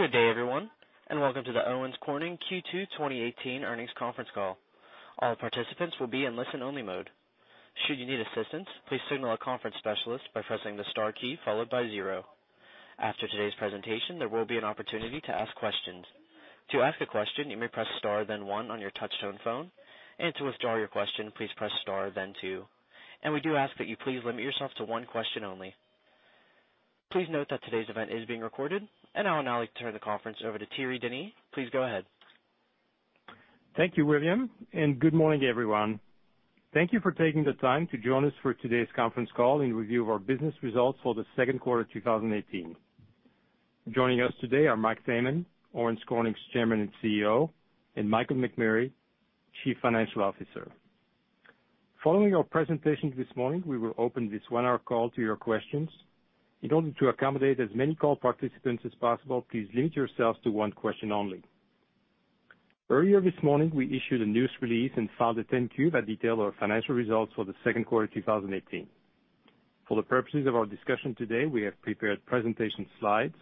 Good day, everyone, and welcome to the Owens Corning Q2 2018 Earnings Conference Call. All participants will be in listen-only mode. Should you need assistance, please signal a conference specialist by pressing the star key followed by zero. After today's presentation, there will be an opportunity to ask questions. To ask a question, you may press star then one on your touch-tone phone, and to withdraw your question, please press star then two. And we do ask that you please limit yourself to one question only. Please note that today's event is being recorded, and I will now turn the conference over to Thierry Denis. Please go ahead. Thank you, William, and good morning, everyone. Thank you for taking the time to join us for today's conference call in review of our business results for the second quarter 2018. Joining us today are Mike Thaman, Owens Corning's Chairman and CEO, and Michael McMurray, Chief Financial Officer. Following our presentation this morning, we will open this one-hour call to your questions. In order to accommodate as many call participants as possible, please limit yourselves to one question only. Earlier this morning, we issued a news release and filed a 10-Q that detailed our financial results for the second quarter 2018. For the purposes of our discussion today, we have prepared presentation slides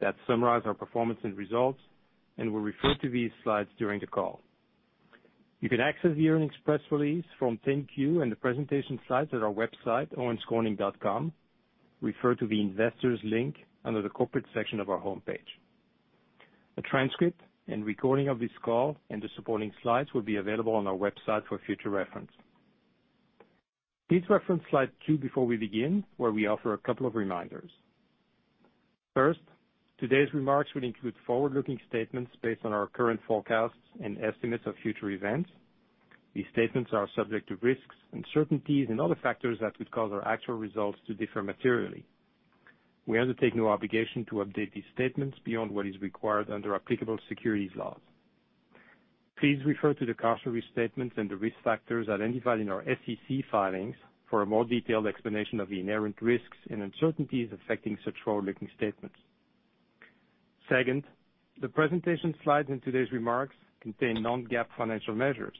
that summarize our performance and results, and we'll refer to these slides during the call. You can access the earnings press release from 10-Q and the presentation slides at our website, owenscorning.com. Refer to the investors link under the corporate section of our homepage. A transcript and recording of this call and the supporting slides will be available on our website for future reference. Please reference slide two before we begin, where we offer a couple of reminders. First, today's remarks will include forward-looking statements based on our current forecasts and estimates of future events. These statements are subject to risks, uncertainties, and other factors that could cause our actual results to differ materially. We undertake no obligation to update these statements beyond what is required under applicable securities laws. Please refer to the cash flow restatements and the risk factors identified in our SEC filings for a more detailed explanation of the inherent risks and uncertainties affecting such forward-looking statements. Second, the presentation slides and today's remarks contain non-GAAP financial measures.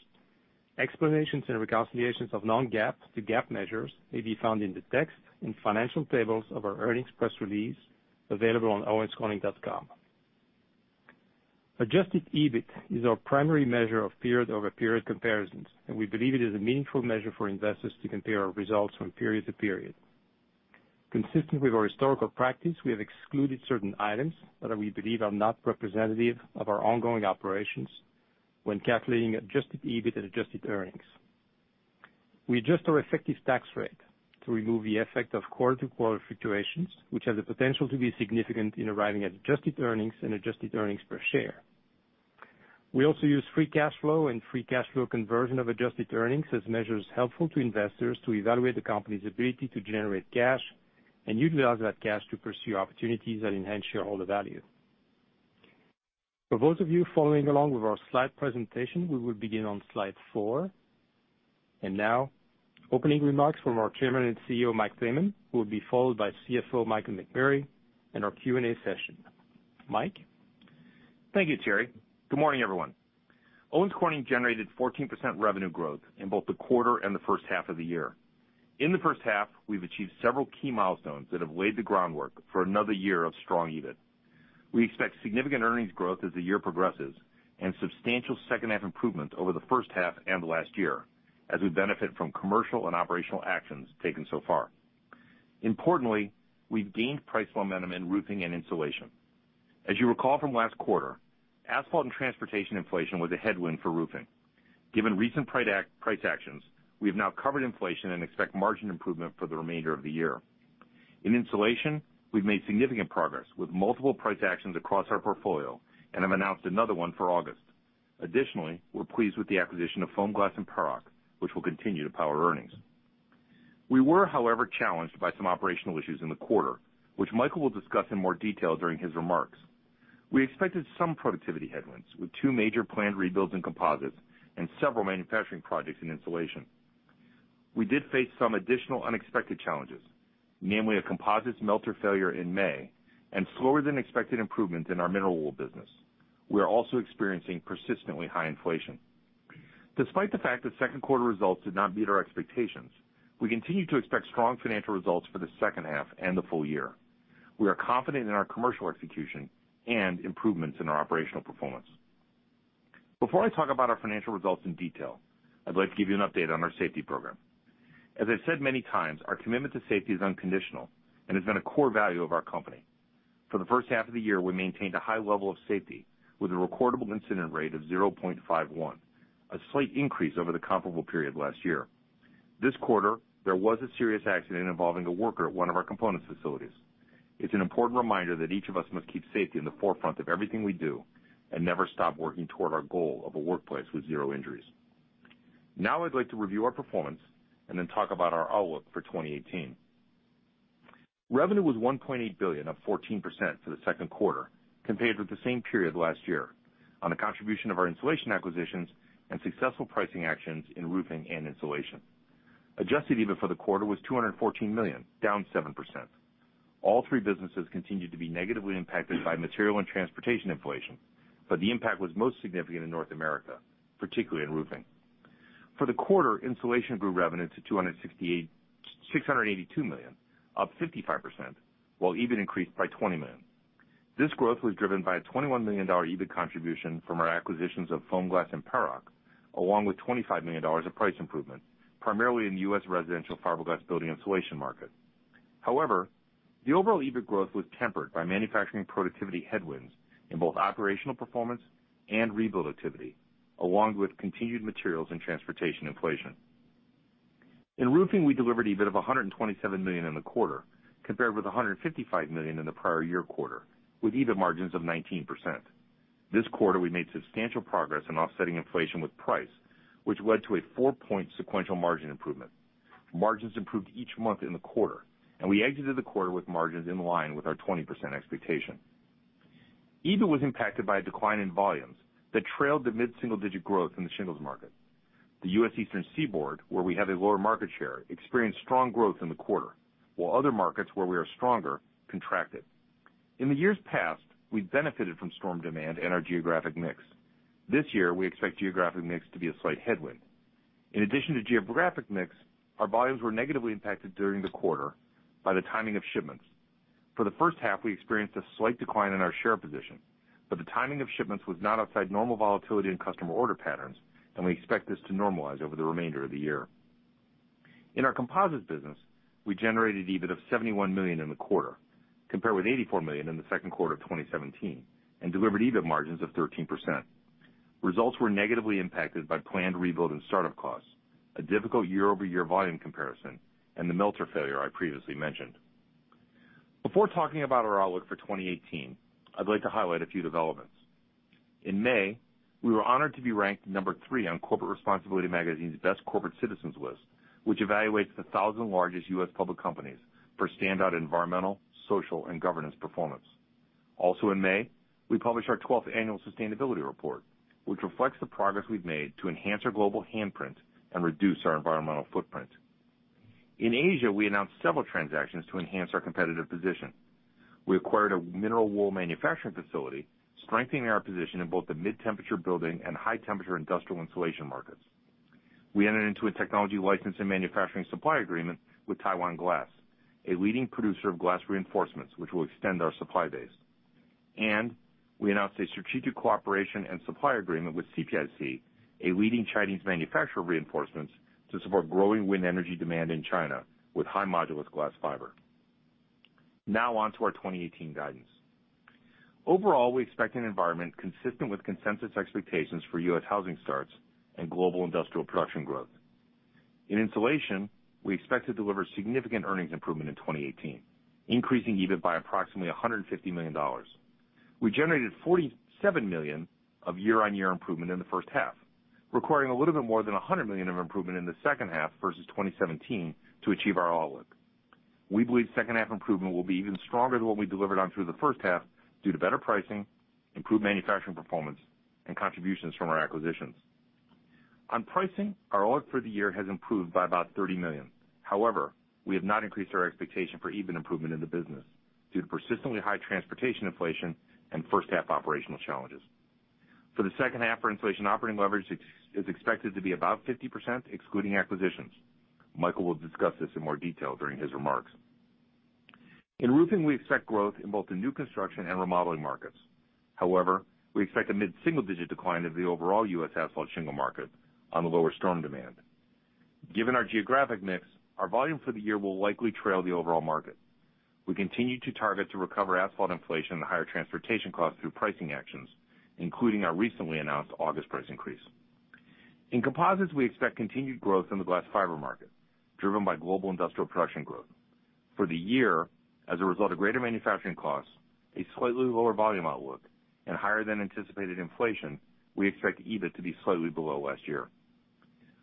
Explanations and reconciliations of non-GAAP to GAAP measures may be found in the text and financial tables of our earnings press release available on owenscorning.com. Adjusted EBIT is our primary measure of period-over-period comparisons, and we believe it is a meaningful measure for investors to compare our results from period to period. Consistent with our historical practice, we have excluded certain items that we believe are not representative of our ongoing operations when calculating adjusted EBIT and adjusted earnings. We adjust our effective tax rate to remove the effect of quarter-to-quarter fluctuations, which has the potential to be significant in arriving at adjusted earnings and adjusted earnings per share. We also use free cash flow and free cash flow conversion of adjusted earnings as measures helpful to investors to evaluate the company's ability to generate cash and utilize that cash to pursue opportunities that enhance shareholder value. For those of you following along with our slide presentation, we will begin on slide four. Now, opening remarks from our Chairman and CEO, Mike Thaman, who will be followed by CFO, Michael McMurray, and our Q&A session. Mike. Thank you, Thierry. Good morning, everyone. Owens Corning generated 14% revenue growth in both the quarter and the first half of the year. In the first half, we've achieved several key milestones that have laid the groundwork for another year of strong EBIT. We expect significant earnings growth as the year progresses and substantial second-half improvement over the first half and the last year, as we benefit from commercial and operational actions taken so far. Importantly, we've gained price momentum in roofing and insulation. As you recall from last quarter, asphalt and transportation inflation was a headwind for roofing. Given recent price actions, we have now covered inflation and expect margin improvement for the remainder of the year. In insulation, we've made significant progress with multiple price actions across our portfolio and have announced another one for August. Additionally, we're pleased with the acquisition of FOAMGLAS and Paroc, which will continue to power earnings. We were, however, challenged by some operational issues in the quarter, which Michael will discuss in more detail during his remarks. We expected some productivity headwinds with two major planned rebuilds in composites and several manufacturing projects in insulation. We did face some additional unexpected challenges, namely a composites melter failure in May and slower-than-expected improvement in our mineral wool business. We are also experiencing persistently high inflation. Despite the fact that second quarter results did not meet our expectations, we continue to expect strong financial results for the second half and the full year. We are confident in our commercial execution and improvements in our operational performance. Before I talk about our financial results in detail, I'd like to give you an update on our safety program. As I've said many times, our commitment to safety is unconditional and has been a core value of our company. For the first half of the year, we maintained a high level of safety with a recordable incident rate of 0.51, a slight increase over the comparable period last year. This quarter, there was a serious accident involving a worker at one of our composites facilities. It's an important reminder that each of us must keep safety in the forefront of everything we do and never stop working toward our goal of a workplace with zero injuries. Now, I'd like to review our performance and then talk about our outlook for 2018. Revenue was $1.8 billion up 14% for the second quarter, compared with the same period last year, on the contribution of our insulation acquisitions and successful pricing actions in roofing and insulation. Adjusted EBIT for the quarter was $214 million, down 7%. All three businesses continued to be negatively impacted by material and transportation inflation, but the impact was most significant in North America, particularly in roofing. For the quarter, insulation grew revenue to $682 million, up 55%, while EBIT increased by $20 million. This growth was driven by a $21 million EBIT contribution from our acquisitions of FOAMGLAS and Paroc, along with $25 million of price improvement, primarily in the U.S. residential fiberglass building insulation market. However, the overall EBIT growth was tempered by manufacturing productivity headwinds in both operational performance and rebuild activity, along with continued materials and transportation inflation. In roofing, we delivered EBIT of $127 million in the quarter, compared with $155 million in the prior year quarter, with EBIT margins of 19%. This quarter, we made substantial progress in offsetting inflation with price, which led to a four-point sequential margin improvement. Margins improved each month in the quarter, and we exited the quarter with margins in line with our 20% expectation. EBIT was impacted by a decline in volumes that trailed the mid-single-digit growth in the shingles market. The U.S. Eastern Seaboard, where we have a lower market share, experienced strong growth in the quarter, while other markets where we are stronger contracted. In the years past, we benefited from storm demand and our geographic mix. This year, we expect geographic mix to be a slight headwind. In addition to geographic mix, our volumes were negatively impacted during the quarter by the timing of shipments. For the first half, we experienced a slight decline in our share position, but the timing of shipments was not outside normal volatility and customer order patterns, and we expect this to normalize over the remainder of the year. In our composites business, we generated EBIT of $71 million in the quarter, compared with $84 million in the second quarter of 2017, and delivered EBIT margins of 13%. Results were negatively impacted by planned rebuild and startup costs, a difficult year-over-year volume comparison, and the melter failure I previously mentioned. Before talking about our outlook for 2018, I'd like to highlight a few developments. In May, we were honored to be ranked number three on Corporate Responsibility Magazine's Best Corporate Citizens list, which evaluates the 1,000 largest U.S. public companies for standout environmental, social, and governance performance. Also, in May, we published our 12th annual sustainability report, which reflects the progress we've made to enhance our global handprint and reduce our environmental footprint. In Asia, we announced several transactions to enhance our competitive position. We acquired a mineral wool manufacturing facility, strengthening our position in both the mid-temperature building and high-temperature industrial insulation markets. We entered into a technology license and manufacturing supply agreement with Taiwan Glass, a leading producer of glass reinforcements, which will extend our supply base. And we announced a strategic cooperation and supply agreement with CPIC, a leading Chinese manufacturer of reinforcements, to support growing wind energy demand in China with high-modulus glass fiber. Now, onto our 2018 guidance. Overall, we expect an environment consistent with consensus expectations for U.S. housing starts and global industrial production growth. In insulation, we expect to deliver significant earnings improvement in 2018, increasing EBIT by approximately $150 million. We generated $47 million of year-on-year improvement in the first half, requiring a little bit more than $100 million of improvement in the second half versus 2017 to achieve our outlook. We believe second-half improvement will be even stronger than what we delivered on through the first half due to better pricing, improved manufacturing performance, and contributions from our acquisitions. On pricing, our outlook for the year has improved by about $30 million. However, we have not increased our expectation for EBIT improvement in the business due to persistently high transportation inflation and first-half operational challenges. For the second half, our inflation operating leverage is expected to be about 50%, excluding acquisitions. Michael will discuss this in more detail during his remarks. In roofing, we expect growth in both the new construction and remodeling markets. However, we expect a mid-single-digit decline of the overall U.S. asphalt shingle market on the lower storm demand. Given our geographic mix, our volume for the year will likely trail the overall market. We continue to target to recover asphalt inflation and higher transportation costs through pricing actions, including our recently announced August price increase. In composites, we expect continued growth in the glass fiber market, driven by global industrial production growth. For the year, as a result of greater manufacturing costs, a slightly lower volume outlook, and higher-than-anticipated inflation, we expect EBIT to be slightly below last year.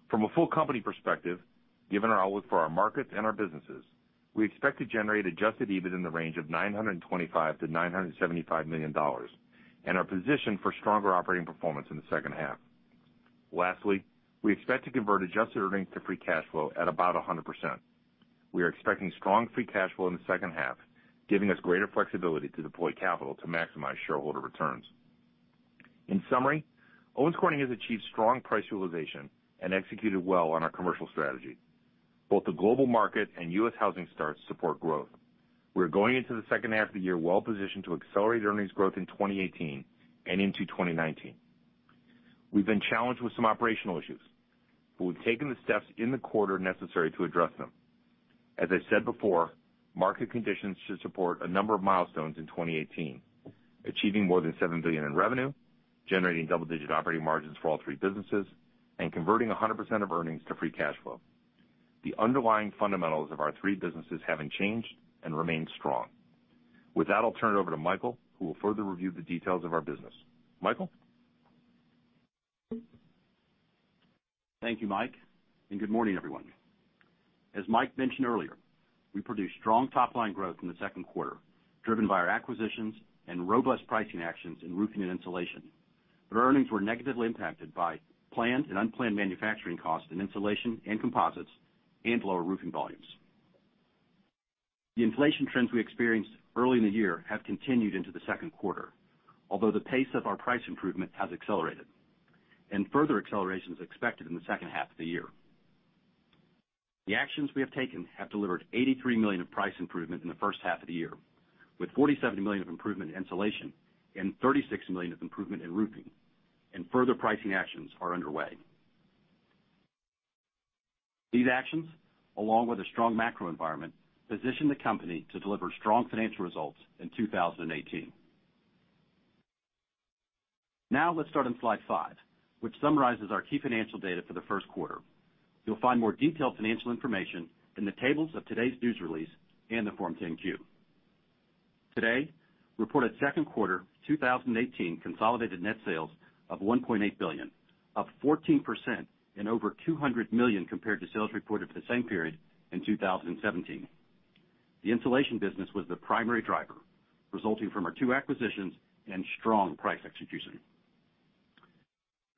From a full company perspective, given our outlook for our markets and our businesses, we expect to generate Adjusted EBIT in the range of $925 million-$975 million and our position for stronger operating performance in the second half. Lastly, we expect to convert Adjusted earnings to free cash flow at about 100%. We are expecting strong free cash flow in the second half, giving us greater flexibility to deploy capital to maximize shareholder returns. In summary, Owens Corning has achieved strong price realization and executed well on our commercial strategy. Both the global market and U.S. housing starts support growth. We are going into the second half of the year well-positioned to accelerate earnings growth in 2018 and into 2019. We've been challenged with some operational issues, but we've taken the steps in the quarter necessary to address them. As I said before, market conditions should support a number of milestones in 2018: achieving more than $7 billion in revenue, generating double-digit operating margins for all three businesses, and converting 100% of earnings to free cash flow. The underlying fundamentals of our three businesses haven't changed and remain strong. With that, I'll turn it over to Michael, who will further review the details of our business. Michael? Thank you, Mike, and good morning, everyone. As Mike mentioned earlier, we produced strong top-line growth in the second quarter, driven by our acquisitions and robust pricing actions in roofing and insulation. But our earnings were negatively impacted by planned and unplanned manufacturing costs in insulation and composites and lower roofing volumes. The inflation trends we experienced early in the year have continued into the second quarter, although the pace of our price improvement has accelerated, and further acceleration is expected in the second half of the year. The actions we have taken have delivered $83 million of price improvement in the first half of the year, with $47 million of improvement in insulation and $36 million of improvement in roofing, and further pricing actions are underway. These actions, along with a strong macro environment, position the company to deliver strong financial results in 2018. Now, let's start on slide five, which summarizes our key financial data for the first quarter. You'll find more detailed financial information in the tables of today's news release and the Form 10-Q. Today, reported second quarter 2018 consolidated net sales of $1.8 billion, up 14% and over $200 million compared to sales reported for the same period in 2017. The insulation business was the primary driver, resulting from our two acquisitions and strong price execution.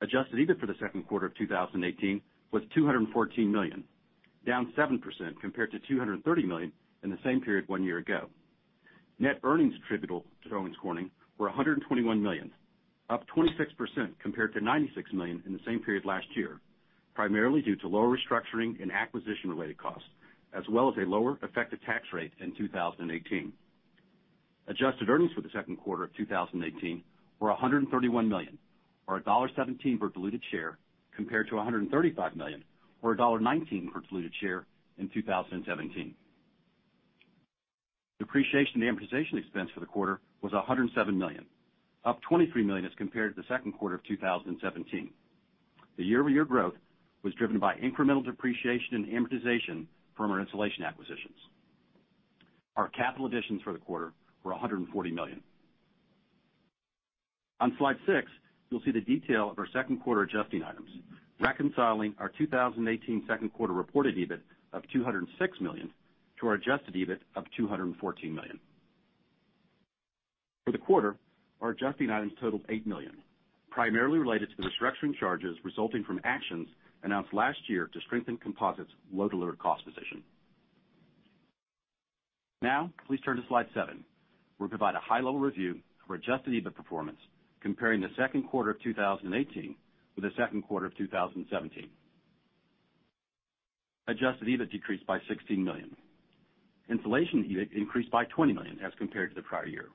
Adjusted EBIT for the second quarter of 2018 was $214 million, down 7% compared to $230 million in the same period one year ago. Net earnings attributable to Owens Corning were $121 million, up 26% compared to $96 million in the same period last year, primarily due to lower restructuring and acquisition-related costs, as well as a lower effective tax rate in 2018. Adjusted earnings for the second quarter of 2018 were $131 million, or $1.17 per diluted share, compared to $135 million, or $1.19 per diluted share in 2017. Depreciation and amortization expense for the quarter was $107 million, up $23 million as compared to the second quarter of 2017. The year-over-year growth was driven by incremental depreciation and amortization from our insulation acquisitions. Our capital additions for the quarter were $140 million. On slide six, you'll see the detail of our second quarter adjusting items, reconciling our 2018 second quarter reported EBIT of $206 million to our adjusted EBIT of $214 million. For the quarter, our adjusting items totaled $8 million, primarily related to the restructuring charges resulting from actions announced last year to strengthen composites' low-delivered cost position. Now, please turn to slide seven, where we provide a high-level review of our adjusted EBIT performance, comparing the second quarter of 2018 with the second quarter of 2017. Adjusted EBIT decreased by $16 million. Insulation EBIT increased by $20 million as compared to the prior year.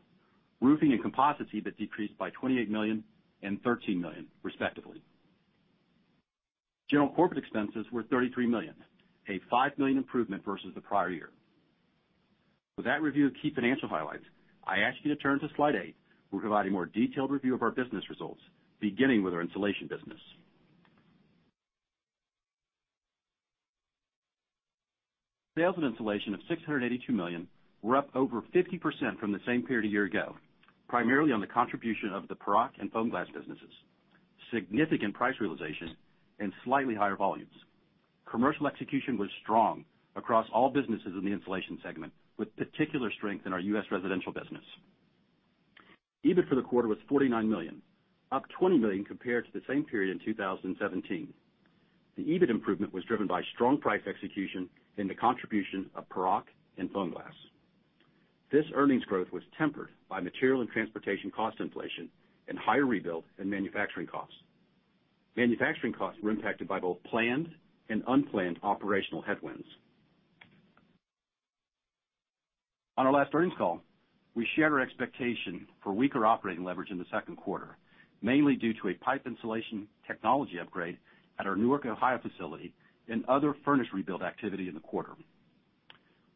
Roofing and composites EBIT decreased by $28 million and $13 million, respectively. General corporate expenses were $33 million, a $5 million improvement versus the prior year. With that review of key financial highlights, I ask you to turn to slide eight, where we provide a more detailed review of our business results, beginning with our insulation business. Sales in insulation of $682 million were up over 50% from the same period a year ago, primarily on the contribution of the Paroc and FOAMGLAS businesses. Significant price realization and slightly higher volumes. Commercial execution was strong across all businesses in the insulation segment, with particular strength in our U.S. residential business. EBIT for the quarter was $49 million, up $20 million compared to the same period in 2017. The EBIT improvement was driven by strong price execution and the contribution of Paroc and FOAMGLAS. This earnings growth was tempered by material and transportation cost inflation and higher rebuild and manufacturing costs. Manufacturing costs were impacted by both planned and unplanned operational headwinds. On our last earnings call, we shared our expectation for weaker operating leverage in the second quarter, mainly due to a pipe insulation technology upgrade at our Newark, Ohio facility and other furnished rebuild activity in the quarter.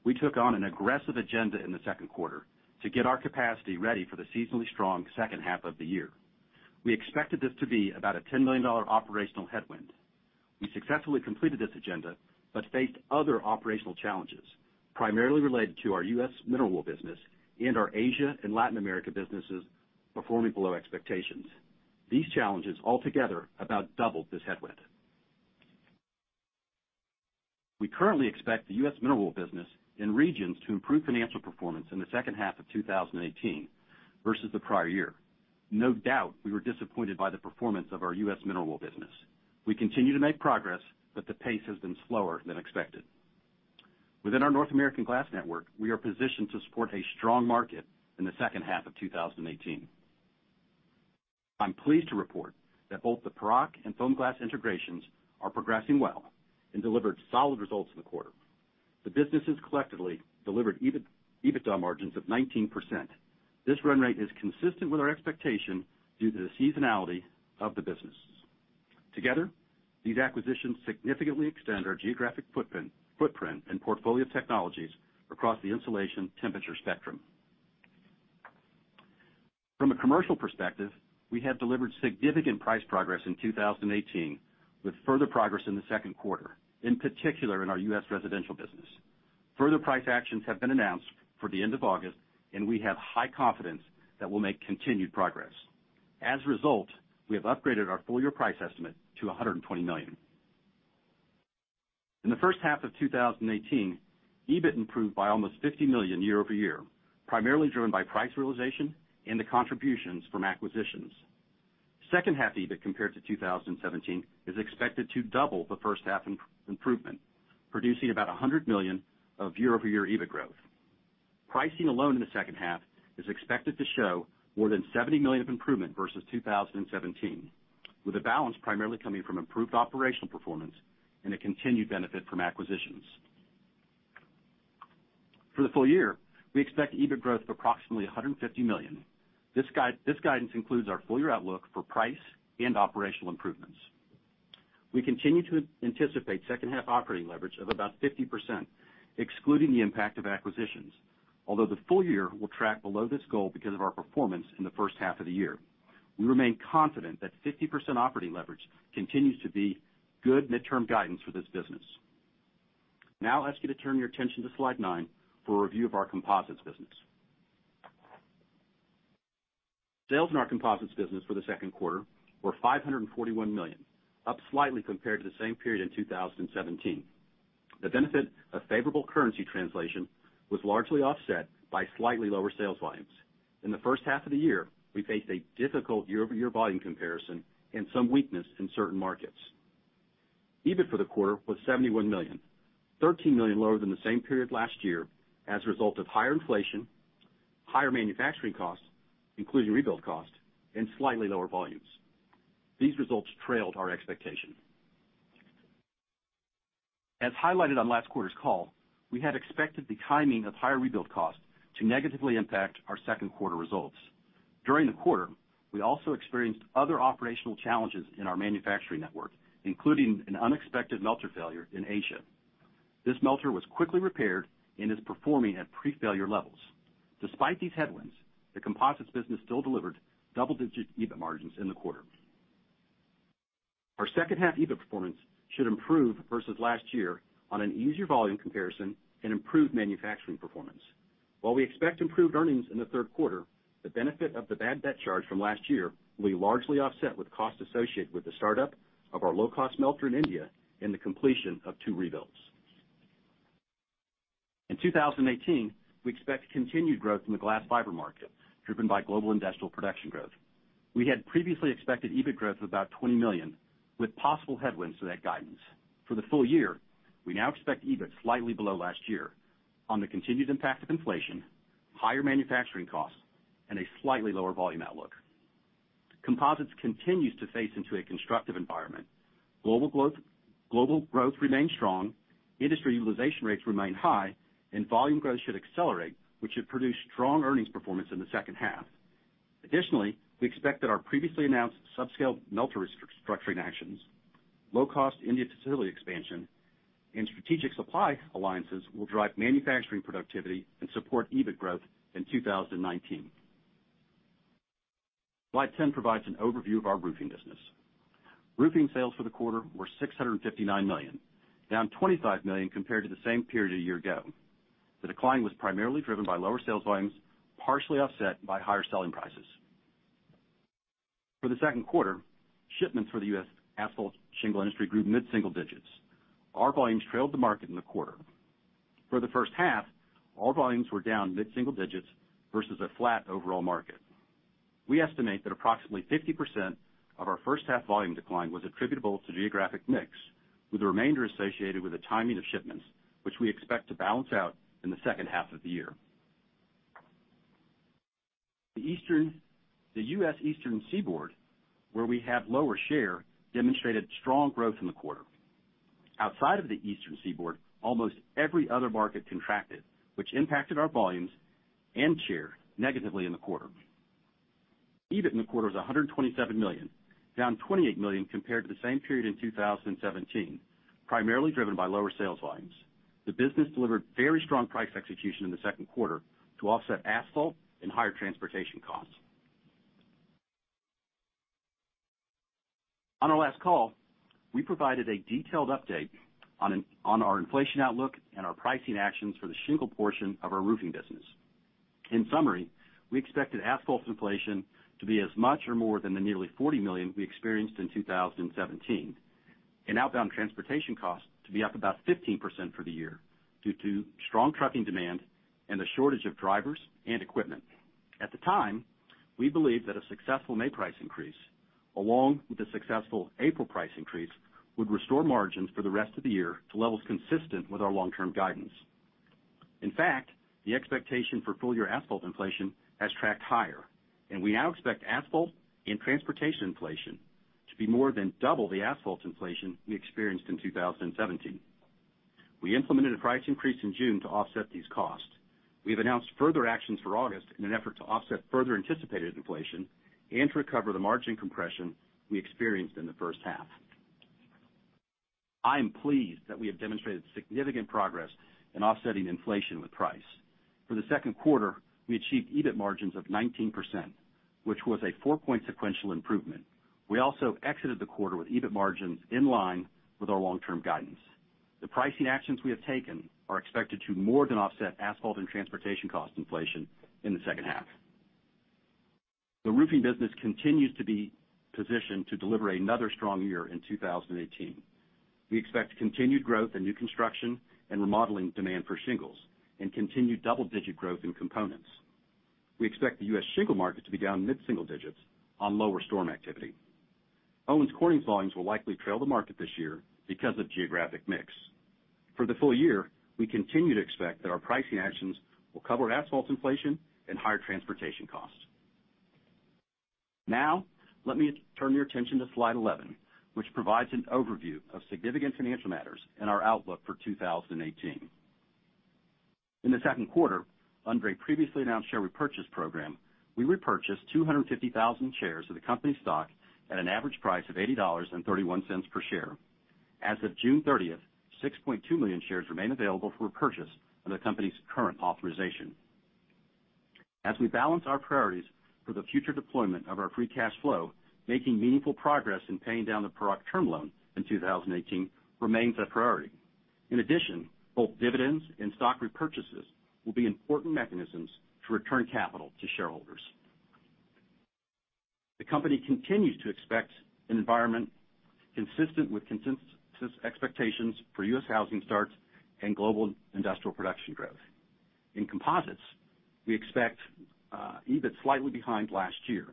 We took on an aggressive agenda in the second quarter to get our capacity ready for the seasonally strong second half of the year. We expected this to be about a $10 million operational headwind. We successfully completed this agenda but faced other operational challenges, primarily related to our U.S. mineral wool business and our Asia and Latin America businesses performing below expectations. These challenges altogether about doubled this headwind. We currently expect the U.S. mineral wool business and regions to improve financial performance in the second half of 2018 versus the prior year. No doubt, we were disappointed by the performance of our U.S. mineral wool business. We continue to make progress, but the pace has been slower than expected. Within our North American glass network, we are positioned to support a strong market in the second half of 2018. I'm pleased to report that both the Paroc and FOAMGLAS integrations are progressing well and delivered solid results in the quarter. The businesses collectively delivered EBIT margins of 19%. This run rate is consistent with our expectation due to the seasonality of the businesses. Together, these acquisitions significantly extend our geographic footprint and portfolio of technologies across the insulation temperature spectrum. From a commercial perspective, we have delivered significant price progress in 2018, with further progress in the second quarter, in particular in our U.S. residential business. Further price actions have been announced for the end of August, and we have high confidence that we'll make continued progress. As a result, we have upgraded our full-year price estimate to $120 million. In the first half of 2018, EBIT improved by almost $50 million year-over-year, primarily driven by price realization and the contributions from acquisitions. Second-half EBIT compared to 2017 is expected to double the first-half improvement, producing about $100 million of year-over-year EBIT growth. Pricing alone in the second half is expected to show more than $70 million of improvement versus 2017, with the balance primarily coming from improved operational performance and a continued benefit from acquisitions. For the full year, we expect EBIT growth of approximately $150 million. This guidance includes our full-year outlook for price and operational improvements. We continue to anticipate second-half operating leverage of about 50%, excluding the impact of acquisitions, although the full year will track below this goal because of our performance in the first half of the year. We remain confident that 50% operating leverage continues to be good midterm guidance for this business. Now, I'll ask you to turn your attention to slide nine for a review of our composites business. Sales in our composites business for the second quarter were $541 million, up slightly compared to the same period in 2017. The benefit of favorable currency translation was largely offset by slightly lower sales volumes. In the first half of the year, we faced a difficult year-over-year volume comparison and some weakness in certain markets. EBIT for the quarter was $71 million, $13 million lower than the same period last year as a result of higher inflation, higher manufacturing costs, including rebuild costs, and slightly lower volumes. These results trailed our expectation. As highlighted on last quarter's call, we had expected the timing of higher rebuild costs to negatively impact our second quarter results. During the quarter, we also experienced other operational challenges in our manufacturing network, including an unexpected melter failure in Asia. This melter was quickly repaired and is performing at pre-failure levels. Despite these headwinds, the composites business still delivered double-digit EBIT margins in the quarter. Our second-half EBIT performance should improve versus last year on an easier volume comparison and improved manufacturing performance. While we expect improved earnings in the third quarter, the benefit of the bad debt charge from last year will be largely offset with costs associated with the startup of our low-cost melter in India and the completion of two rebuilds. In 2018, we expect continued growth in the glass fiber market, driven by global industrial production growth. We had previously expected EBIT growth of about $20 million, with possible headwinds to that guidance. For the full year, we now expect EBIT slightly below last year on the continued impact of inflation, higher manufacturing costs, and a slightly lower volume outlook. Composites continues to face into a constructive environment. Global growth remains strong. Industry utilization rates remain high, and volume growth should accelerate, which should produce strong earnings performance in the second half. Additionally, we expect that our previously announced subscale melter restructuring actions, low-cost India facility expansion, and strategic supply alliances will drive manufacturing productivity and support EBIT growth in 2019. Slide 10 provides an overview of our roofing business. Roofing sales for the quarter were $659 million, down $25 million compared to the same period a year ago. The decline was primarily driven by lower sales volumes, partially offset by higher selling prices. For the second quarter, shipments for the U.S. asphalt shingle industry grew mid-single digits. Our volumes trailed the market in the quarter. For the first half, all volumes were down mid-single digits versus a flat overall market. We estimate that approximately 50% of our first-half volume decline was attributable to geographic mix, with the remainder associated with the timing of shipments, which we expect to balance out in the second half of the year. The U.S. Eastern Seaboard, where we have lower share, demonstrated strong growth in the quarter. Outside of the Eastern Seaboard, almost every other market contracted, which impacted our volumes and share negatively in the quarter. EBIT in the quarter was $127 million, down $28 million compared to the same period in 2017, primarily driven by lower sales volumes. The business delivered very strong price execution in the second quarter to offset asphalt and higher transportation costs. On our last call, we provided a detailed update on our inflation outlook and our pricing actions for the shingle portion of our roofing business. In summary, we expected asphalt inflation to be as much or more than the nearly $40 million we experienced in 2017, and outbound transportation costs to be up about 15% for the year due to strong trucking demand and the shortage of drivers and equipment. At the time, we believed that a successful May price increase, along with a successful April price increase, would restore margins for the rest of the year to levels consistent with our long-term guidance. In fact, the expectation for full-year asphalt inflation has tracked higher, and we now expect asphalt and transportation inflation to be more than double the asphalt inflation we experienced in 2017. We implemented a price increase in June to offset these costs. We have announced further actions for August in an effort to offset further anticipated inflation and to recover the margin compression we experienced in the first half. I am pleased that we have demonstrated significant progress in offsetting inflation with price. For the second quarter, we achieved EBIT margins of 19%, which was a four-point sequential improvement. We also exited the quarter with EBIT margins in line with our long-term guidance. The pricing actions we have taken are expected to more than offset asphalt and transportation cost inflation in the second half. The roofing business continues to be positioned to deliver another strong year in 2018. We expect continued growth in new construction and remodeling demand for shingles and continued double-digit growth in components. We expect the U.S. shingle market to be down mid-single digits on lower storm activity. Owens Corning's volumes will likely trail the market this year because of geographic mix. For the full year, we continue to expect that our pricing actions will cover asphalt inflation and higher transportation costs. Now, let me turn your attention to Slide 11, which provides an overview of significant financial matters and our outlook for 2018. In the second quarter, under a previously announced share repurchase program, we repurchased 250,000 shares of the company's stock at an average price of $80.31 per share. As of June 30th, 6.2 million shares remain available for repurchase under the company's current authorization. As we balance our priorities for the future deployment of our free cash flow, making meaningful progress in paying down the Paroc term loan in 2018 remains a priority. In addition, both dividends and stock repurchases will be important mechanisms to return capital to shareholders. The company continues to expect an environment consistent with consensus expectations for U.S. housing starts and global industrial production growth. In composites, we expect EBIT slightly behind last year.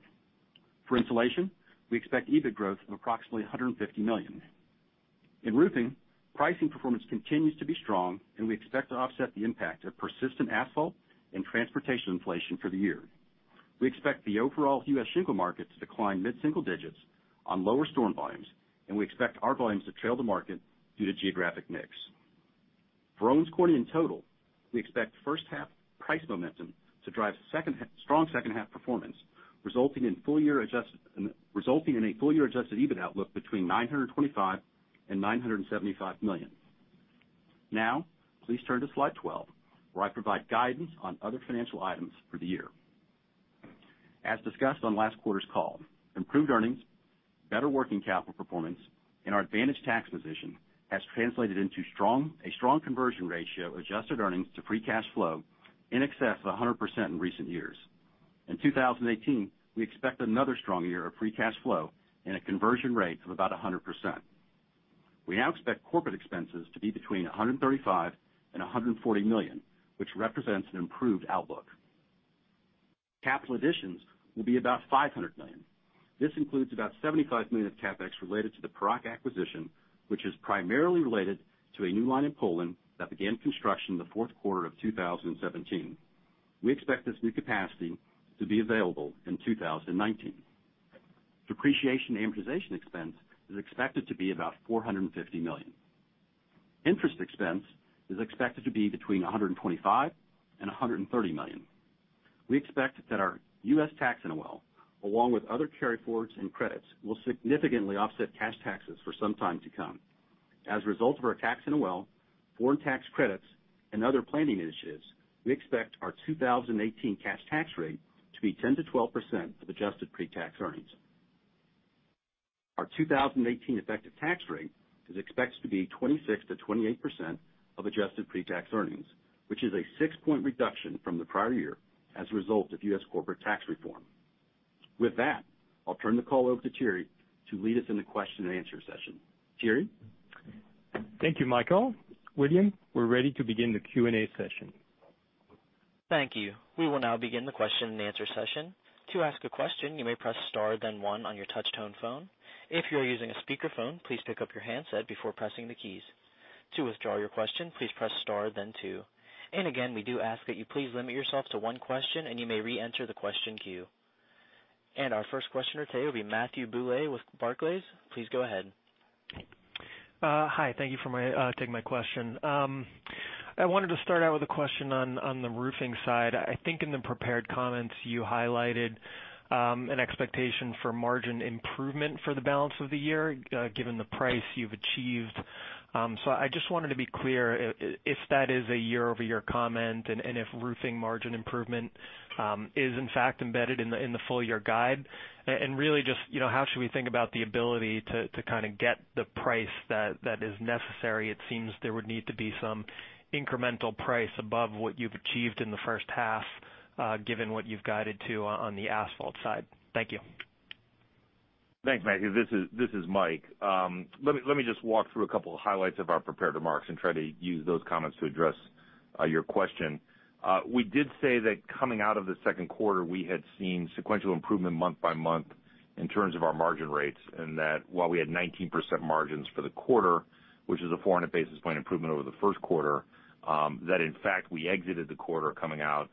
For insulation, we expect EBIT growth of approximately $150 million. In roofing, pricing performance continues to be strong, and we expect to offset the impact of persistent asphalt and transportation inflation for the year. We expect the overall U.S. shingle market to decline mid-single digits on lower storm volumes, and we expect our volumes to trail the market due to geographic mix. For Owens Corning in total, we expect first-half price momentum to drive strong second-half performance, resulting in a full-year adjusted EBIT outlook between $925 million and $975 million. Now, please turn to Slide 12, where I provide guidance on other financial items for the year. As discussed on last quarter's call, improved earnings, better working capital performance, and our advantage tax position has translated into a strong conversion ratio adjusted earnings to free cash flow in excess of 100% in recent years. In 2018, we expect another strong year of free cash flow and a conversion rate of about 100%. We now expect corporate expenses to be between $135 million and $140 million, which represents an improved outlook. Capital additions will be about $500 million. This includes about $75 million of CapEx related to the Paroc acquisition, which is primarily related to a new line in Poland that began construction in the fourth quarter of 2017. We expect this new capacity to be available in 2019. Depreciation and amortization expense is expected to be about $450 million. Interest expense is expected to be between $125 million and $130 million. We expect that our U.S. tax NOL, along with other carryforwards and credits, will significantly offset cash taxes for some time to come. As a result of our tax NOL, foreign tax credits, and other planning initiatives, we expect our 2018 cash tax rate to be 10%-12% of adjusted pre-tax earnings. Our 2018 effective tax rate is expected to be 26%-28% of adjusted pre-tax earnings, which is a six-point reduction from the prior year as a result of U.S. corporate tax reform. With that, I'll turn the call over to Thierry to lead us in the question and answer session. Thierry? Thank you, Michael. William, we're ready to begin the Q&A session. Thank you. We will now begin the question and answer session. To ask a question, you may press star then one on your touch-tone phone. If you are using a speakerphone, please pick up your handset before pressing the keys. To withdraw your question, please press star then two. Again, we do ask that you please limit yourself to one question, and you may re-enter the question queue. Our first questioner today will be Matthew Bouley with Barclays. Please go ahead. Hi. Thank you for taking my question. I wanted to start out with a question on the roofing side. I think in the prepared comments, you highlighted an expectation for margin improvement for the balance of the year given the price you've achieved. I just wanted to be clear if that is a year-over-year comment and if roofing margin improvement is, in fact, embedded in the full-year guide? Really, just how should we think about the ability to kind of get the price that is necessary? It seems there would need to be some incremental price above what you've achieved in the first half, given what you've guided to on the asphalt side. Thank you. Thanks, Matthew. This is Mike. Let me just walk through a couple of highlights of our prepared remarks and try to use those comments to address your question. We did say that coming out of the second quarter, we had seen sequential improvement month by month in terms of our margin rates and that while we had 19% margins for the quarter, which is a 400 basis points improvement over the first quarter, that in fact, we exited the quarter coming out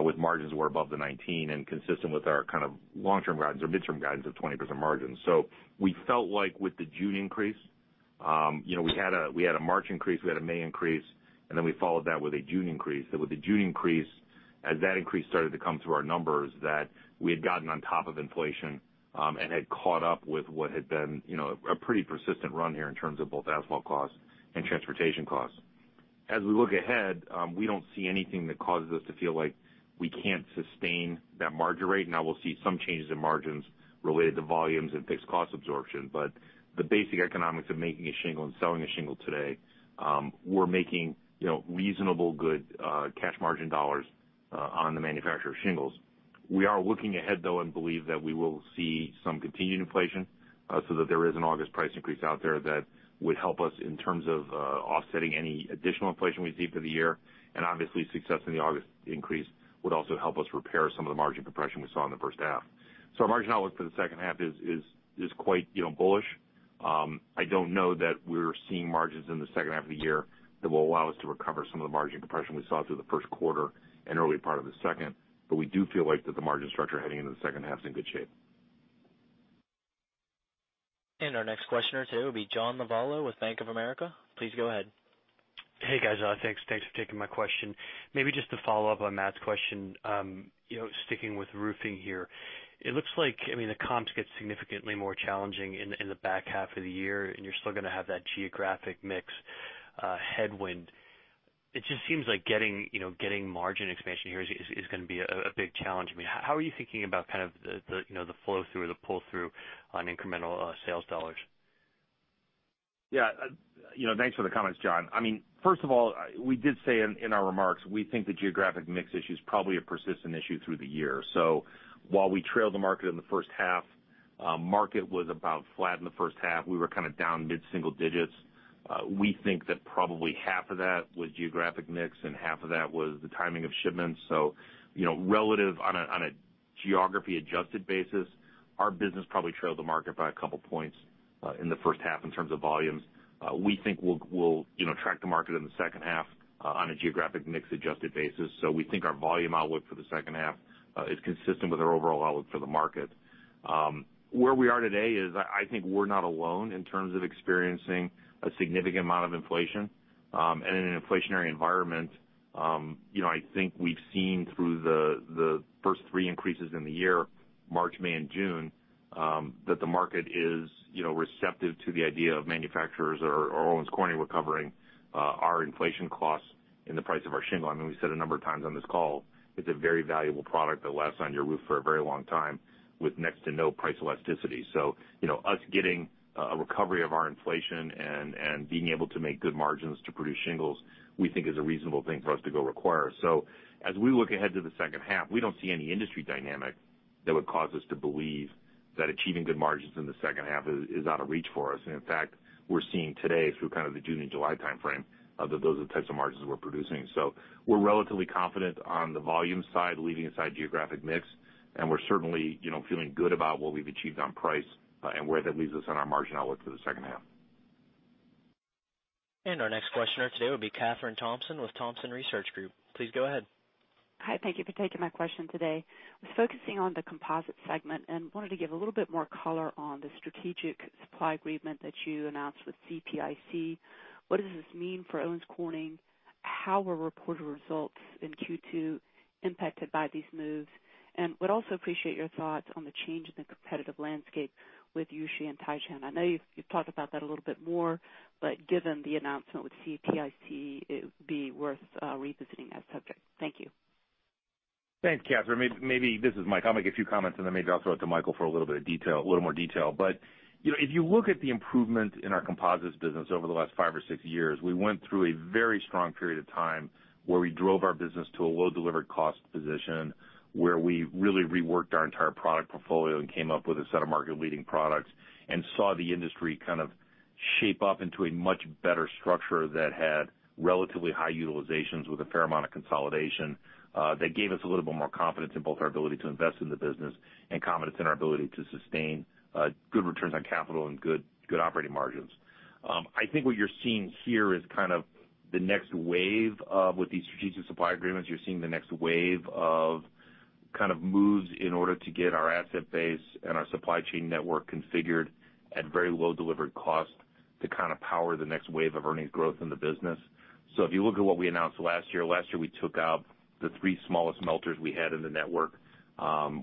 with margins that were above the 19 and consistent with our kind of long-term guidance or mid-term guidance of 20% margins. So we felt like with the June increase, we had a March increase, we had a May increase, and then we followed that with a June increase. With the June increase, as that increase started to come through our numbers, that we had gotten on top of inflation and had caught up with what had been a pretty persistent run here in terms of both asphalt costs and transportation costs. As we look ahead, we don't see anything that causes us to feel like we can't sustain that margin rate. Now, we'll see some changes in margins related to volumes and fixed cost absorption, but the basic economics of making a shingle and selling a shingle today. We're making reasonable good cash margin dollars on the manufacture of shingles. We are looking ahead, though, and believe that we will see some continued inflation so that there is an August price increase out there that would help us in terms of offsetting any additional inflation we see for the year. And obviously, success in the August increase would also help us repair some of the margin compression we saw in the first half. So our margin outlook for the second half is quite bullish. I don't know that we're seeing margins in the second half of the year that will allow us to recover some of the margin compression we saw through the first quarter and early part of the second, but we do feel like that the margin structure heading into the second half is in good shape. And our next questioner today will be John Lavallo with Bank of America. Please go ahead. Hey, guys. Thanks for taking my question. Maybe just to follow up on Matt's question, sticking with roofing here. It looks like, I mean, the comps get significantly more challenging in the back half of the year, and you're still going to have that geographic mix headwind. It just seems like getting margin expansion here is going to be a big challenge. I mean, how are you thinking about kind of the flow through or the pull-through on incremental sales dollars? Yeah. Thanks for the comments, John. I mean, first of all, we did say in our remarks, we think the geographic mix issue is probably a persistent issue through the year. So while we trailed the market in the first half, market was about flat in the first half. We were kind of down mid-single digits. We think that probably half of that was geographic mix and half of that was the timing of shipments. So relative on a geography-adjusted basis, our business probably trailed the market by a couple of points in the first half in terms of volumes. We think we'll track the market in the second half on a geographic mix-adjusted basis. So we think our volume outlook for the second half is consistent with our overall outlook for the market. Where we are today is I think we're not alone in terms of experiencing a significant amount of inflation. And in an inflationary environment, I think we've seen through the first three increases in the year, March, May, and June, that the market is receptive to the idea of manufacturers or Owens Corning recovering our inflation costs in the price of our shingle. I mean, we said a number of times on this call, it's a very valuable product that lasts on your roof for a very long time with next to no price elasticity. So us getting a recovery of our inflation and being able to make good margins to produce shingles, we think is a reasonable thing for us to go require. So as we look ahead to the second half, we don't see any industry dynamic that would cause us to believe that achieving good margins in the second half is out of reach for us. And in fact, we're seeing today through kind of the June and July timeframe that those are the types of margins we're producing. We're relatively confident on the volume side, leaving aside geographic mix, and we're certainly feeling good about what we've achieved on price and where that leaves us on our margin outlook for the second half. Our next questioner today will be Kathryn Thompson with Thompson Research Group. Please go ahead. Hi. Thank you for taking my question today. I was focusing on the composite segment and wanted to give a little bit more color on the strategic supply agreement that you announced with CPIC. What does this mean for Owens Corning? How were reported results in Q2 impacted by these moves? And would also appreciate your thoughts on the change in the competitive landscape with Jushi and Taishan. I know you've talked about that a little bit more, but given the announcement with CPIC, it would be worth revisiting that subject. Thank you. Thanks, Kathryn. Maybe this is Mike. I'll make a few comments, and then maybe I'll throw it to Michael for a little bit of detail, a little more detail. But if you look at the improvement in our composites business over the last five or six years, we went through a very strong period of time where we drove our business to a low-delivered cost position where we really reworked our entire product portfolio and came up with a set of market-leading products and saw the industry kind of shape up into a much better structure that had relatively high utilizations with a fair amount of consolidation that gave us a little bit more confidence in both our ability to invest in the business and confidence in our ability to sustain good returns on capital and good operating margins. I think what you're seeing here is kind of the next wave of with these strategic supply agreements. You're seeing the next wave of kind of moves in order to get our asset base and our supply chain network configured at very low delivered cost to kind of power the next wave of earnings growth in the business. So if you look at what we announced last year, last year we took out the three smallest melters we had in the network.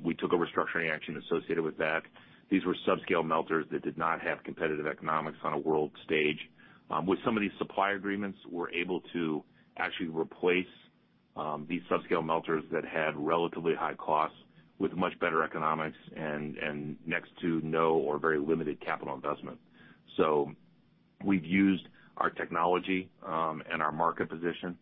We took a restructuring action associated with that. These were subscale melters that did not have competitive economics on a world stage. With some of these supply agreements, we're able to actually replace these subscale melters that had relatively high costs with much better economics and next to no or very limited capital investment. So we've used our technology and our market position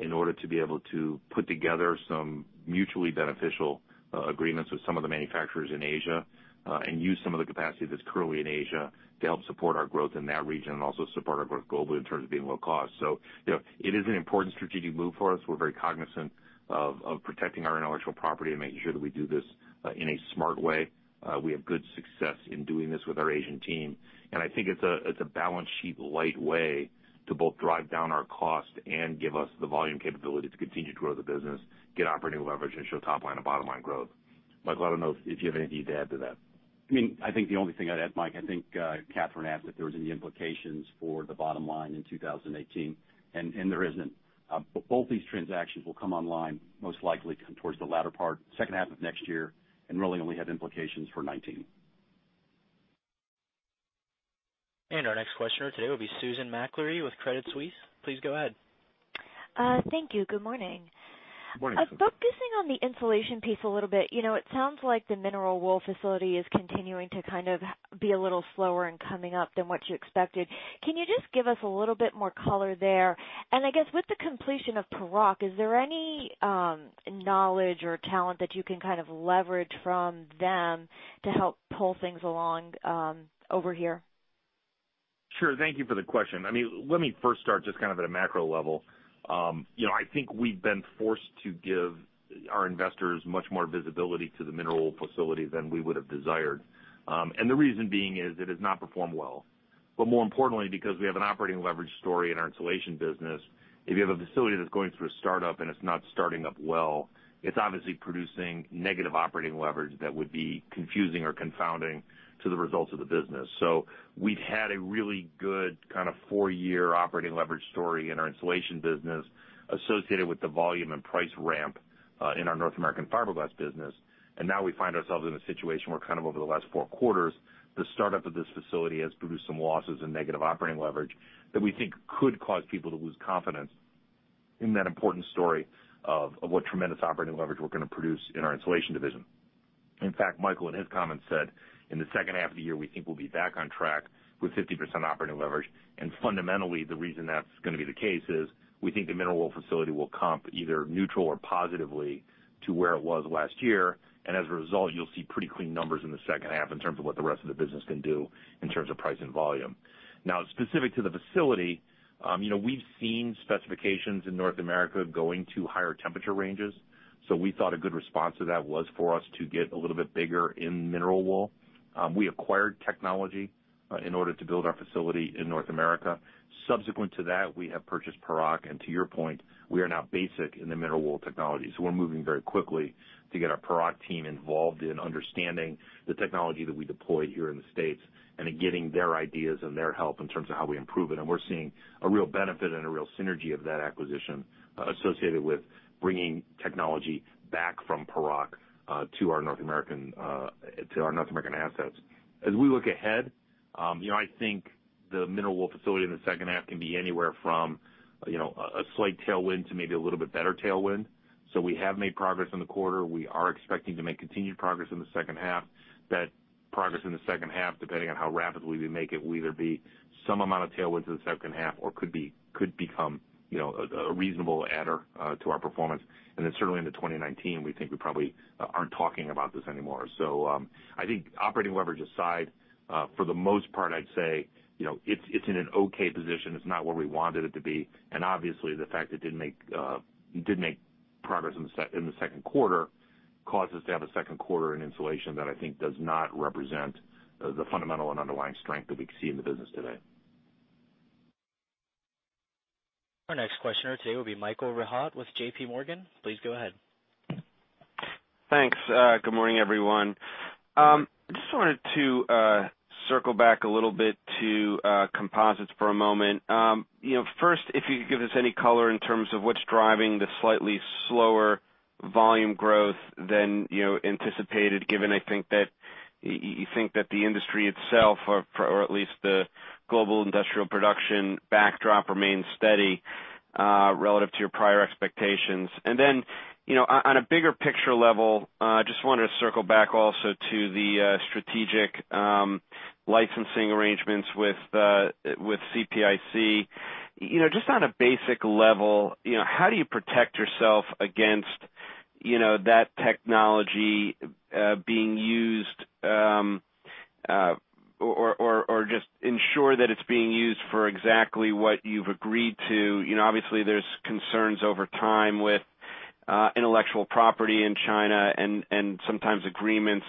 in order to be able to put together some mutually beneficial agreements with some of the manufacturers in Asia and use some of the capacity that's currently in Asia to help support our growth in that region and also support our growth globally in terms of being low cost. So it is an important strategic move for us. We're very cognizant of protecting our intellectual property and making sure that we do this in a smart way. We have good success in doing this with our Asian team. And I think it's a balance sheet light way to both drive down our cost and give us the volume capability to continue to grow the business, get operating leverage, and show top-line and bottom-line growth. Michael, I don't know if you have anything to add to that. I mean, I think the only thing I'd add, Mike, I think Kathryn asked if there were any implications for the bottom line in 2018, and there isn't. Both these transactions will come online most likely towards the latter part, second half of next year, and really only have implications for 2019. Our next questioner today will be Susan Maklari with Credit Suisse. Please go ahead. Thank you. Good morning. Good morning, Susan. Focusing on the insulation piece a little bit, it sounds like the mineral wool facility is continuing to kind of be a little slower and coming up than what you expected. Can you just give us a little bit more color there? I guess with the completion of Paroc, is there any knowledge or talent that you can kind of leverage from them to help pull things along over here? Sure. Thank you for the question. I mean, let me first start just kind of at a macro level. I think we've been forced to give our investors much more visibility to the mineral wool facility than we would have desired, and the reason being is it has not performed well. But more importantly, because we have an operating leverage story in our insulation business, if you have a facility that's going through a startup and it's not starting up well, it's obviously producing negative operating leverage that would be confusing or confounding to the results of the business, so we've had a really good kind of four-year operating leverage story in our insulation business associated with the volume and price ramp in our North American fiberglass business. And now we find ourselves in a situation where kind of over the last four quarters, the startup of this facility has produced some losses and negative operating leverage that we think could cause people to lose confidence in that important story of what tremendous operating leverage we're going to produce in our insulation division. In fact, Michael in his comments said, "In the second half of the year, we think we'll be back on track with 50% operating leverage." And fundamentally, the reason that's going to be the case is we think the mineral wool facility will comp either neutral or positively to where it was last year. And as a result, you'll see pretty clean numbers in the second half in terms of what the rest of the business can do in terms of price and volume. Now, specific to the facility, we've seen specifications in North America going to higher temperature ranges. So we thought a good response to that was for us to get a little bit bigger in mineral wool. We acquired technology in order to build our facility in North America. Subsequent to that, we have purchased Paroc. And to your point, we are now basic in the mineral wool technology. So we're moving very quickly to get our Paroc team involved in understanding the technology that we deploy here in the States and getting their ideas and their help in terms of how we improve it. And we're seeing a real benefit and a real synergy of that acquisition associated with bringing technology back from Paroc to our North American assets. As we look ahead, I think the mineral wool facility in the second half can be anywhere from a slight tailwind to maybe a little bit better tailwind. So we have made progress in the quarter. We are expecting to make continued progress in the second half. That progress in the second half, depending on how rapidly we make it, will either be some amount of tailwind to the second half or could become a reasonable adder to our performance. And then certainly in 2019, we think we probably aren't talking about this anymore. So I think operating leverage aside, for the most part, I'd say it's in an okay position. It's not where we wanted it to be. Obviously, the fact it didn't make progress in the second quarter caused us to have a second quarter in insulation that I think does not represent the fundamental and underlying strength that we see in the business today. Our next questioner today will be Michael Rehaut with JPMorgan. Please go ahead. Thanks. Good morning, everyone. I just wanted to circle back a little bit to composites for a moment. First, if you could give us any color in terms of what's driving the slightly slower volume growth than anticipated, given I think that you think that the industry itself, or at least the global industrial production backdrop, remains steady relative to your prior expectations. Then on a bigger picture level, I just wanted to circle back also to the strategic licensing arrangements with CPIC. Just on a basic level, how do you protect yourself against that technology being used or just ensure that it's being used for exactly what you've agreed to? Obviously, there's concerns over time with intellectual property in China and sometimes agreements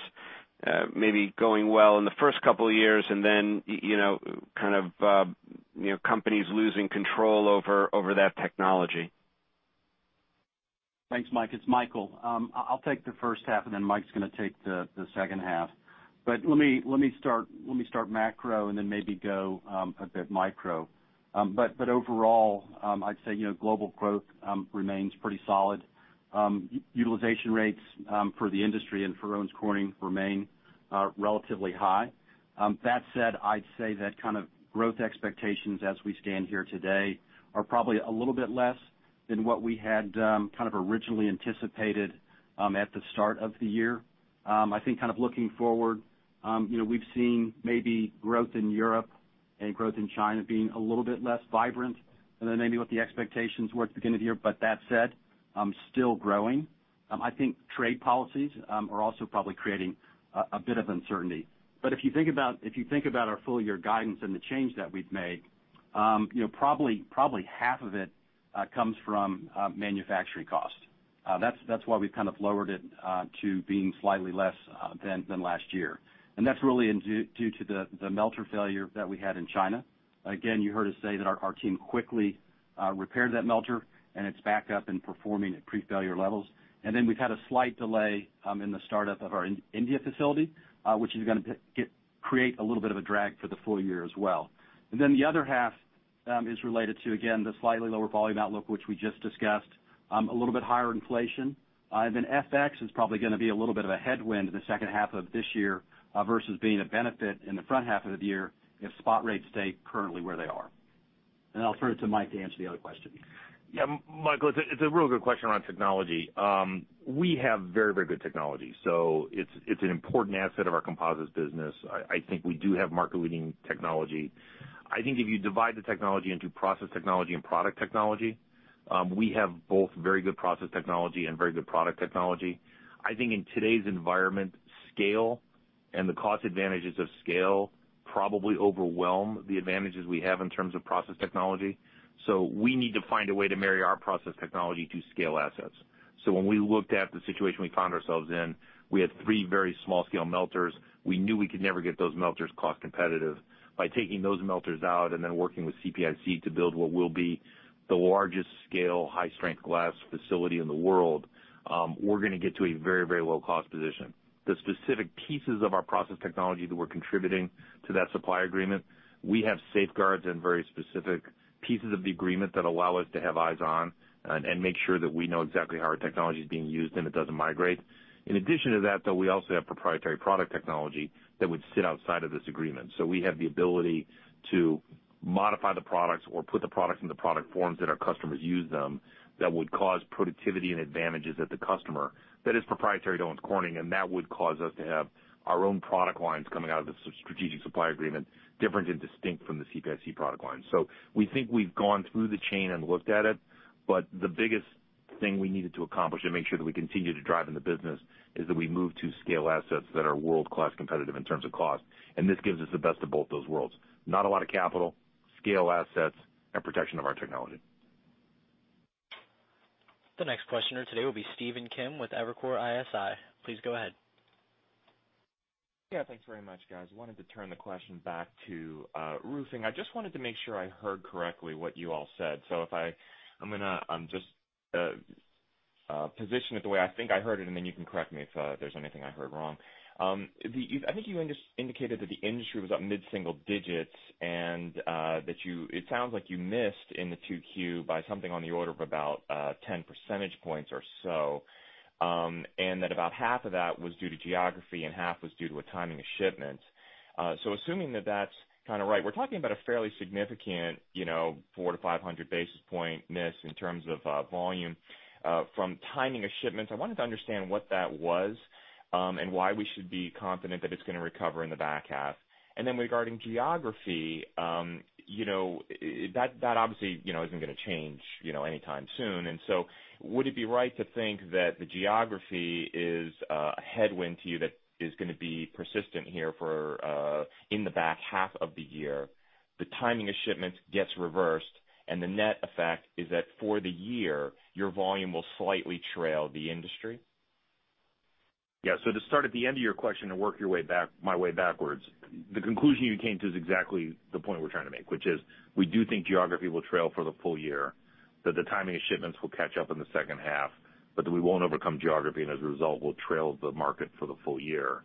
maybe going well in the first couple of years and then kind of companies losing control over that technology. Thanks, Mike. It's Michael. I'll take the first half, and then Mike's going to take the second half. But let me start macro and then maybe go a bit micro. But overall, I'd say global growth remains pretty solid. Utilization rates for the industry and for Owens Corning remain relatively high. That said, I'd say that kind of growth expectations as we stand here today are probably a little bit less than what we had kind of originally anticipated at the start of the year. I think kind of looking forward, we've seen maybe growth in Europe and growth in China being a little bit less vibrant than maybe what the expectations were at the beginning of the year. But that said, still growing. I think trade policies are also probably creating a bit of uncertainty. But if you think about our full-year guidance and the change that we've made, probably half of it comes from manufacturing cost. That's why we've kind of lowered it to being slightly less than last year. And that's really due to the melter failure that we had in China. Again, you heard us say that our team quickly repaired that melter, and it's back up and performing at pre-failure levels. And then we've had a slight delay in the startup of our India facility, which is going to create a little bit of a drag for the full year as well. And then the other half is related to, again, the slightly lower volume outlook, which we just discussed, a little bit higher inflation. And then FX is probably going to be a little bit of a headwind in the second half of this year versus being a benefit in the front half of the year if spot rates stay currently where they are. And I'll turn it to Mike to answer the other question. Yeah. Michael, it's a real good question around technology. We have very, very good technology. So it's an important asset of our composites business. I think we do have market-leading technology. I think if you divide the technology into process technology and product technology, we have both very good process technology and very good product technology. I think in today's environment, scale and the cost advantages of scale probably overwhelm the advantages we have in terms of process technology. So we need to find a way to marry our process technology to scale assets. So when we looked at the situation we found ourselves in, we had three very small-scale melters. We knew we could never get those melters cost-competitive. By taking those melters out and then working with CPIC to build what will be the largest scale high-strength glass facility in the world, we're going to get to a very, very low-cost position. The specific pieces of our process technology that we're contributing to that supply agreement, we have safeguards and very specific pieces of the agreement that allow us to have eyes on and make sure that we know exactly how our technology is being used and it doesn't migrate. In addition to that, though, we also have proprietary product technology that would sit outside of this agreement. So we have the ability to modify the products or put the products in the product forms that our customers use that would cause productivity and advantages at the customer that is proprietary to Owens Corning. And that would cause us to have our own product lines coming out of the strategic supply agreement, different and distinct from the CPIC product lines. So we think we've gone through the chain and looked at it. But the biggest thing we needed to accomplish and make sure that we continue to drive in the business is that we move to scale assets that are world-class competitive in terms of cost. And this gives us the best of both those worlds: not a lot of capital, scale assets, and protection of our technology. The next questioner today will be Stephen Kim with Evercore ISI. Please go ahead. Yeah. Thanks very much, guys. Wanted to turn the question back to roofing. I just wanted to make sure I heard correctly what you all said. So I'm going to just position it the way I think I heard it, and then you can correct me if there's anything I heard wrong. I think you indicated that the industry was up mid-single digits and that it sounds like you missed in the 2Q by something on the order of about 10 percentage points or so, and that about half of that was due to geography and half was due to a timing of shipment, so assuming that that's kind of right, we're talking about a fairly significant four-500 basis points miss in terms of volume from timing of shipments. I wanted to understand what that was and why we should be confident that it's going to recover in the back half, and then regarding geography, that obviously isn't going to change anytime soon. And so would it be right to think that the geography is a headwind to you that is going to be persistent here in the back half of the year, the timing of shipments gets reversed, and the net effect is that for the year, your volume will slightly trail the industry? Yeah. So to start at the end of your question and work my way backwards, the conclusion you came to is exactly the point we're trying to make, which is we do think geography will trail for the full year, that the timing of shipments will catch up in the second half, but that we won't overcome geography and, as a result, will trail the market for the full year.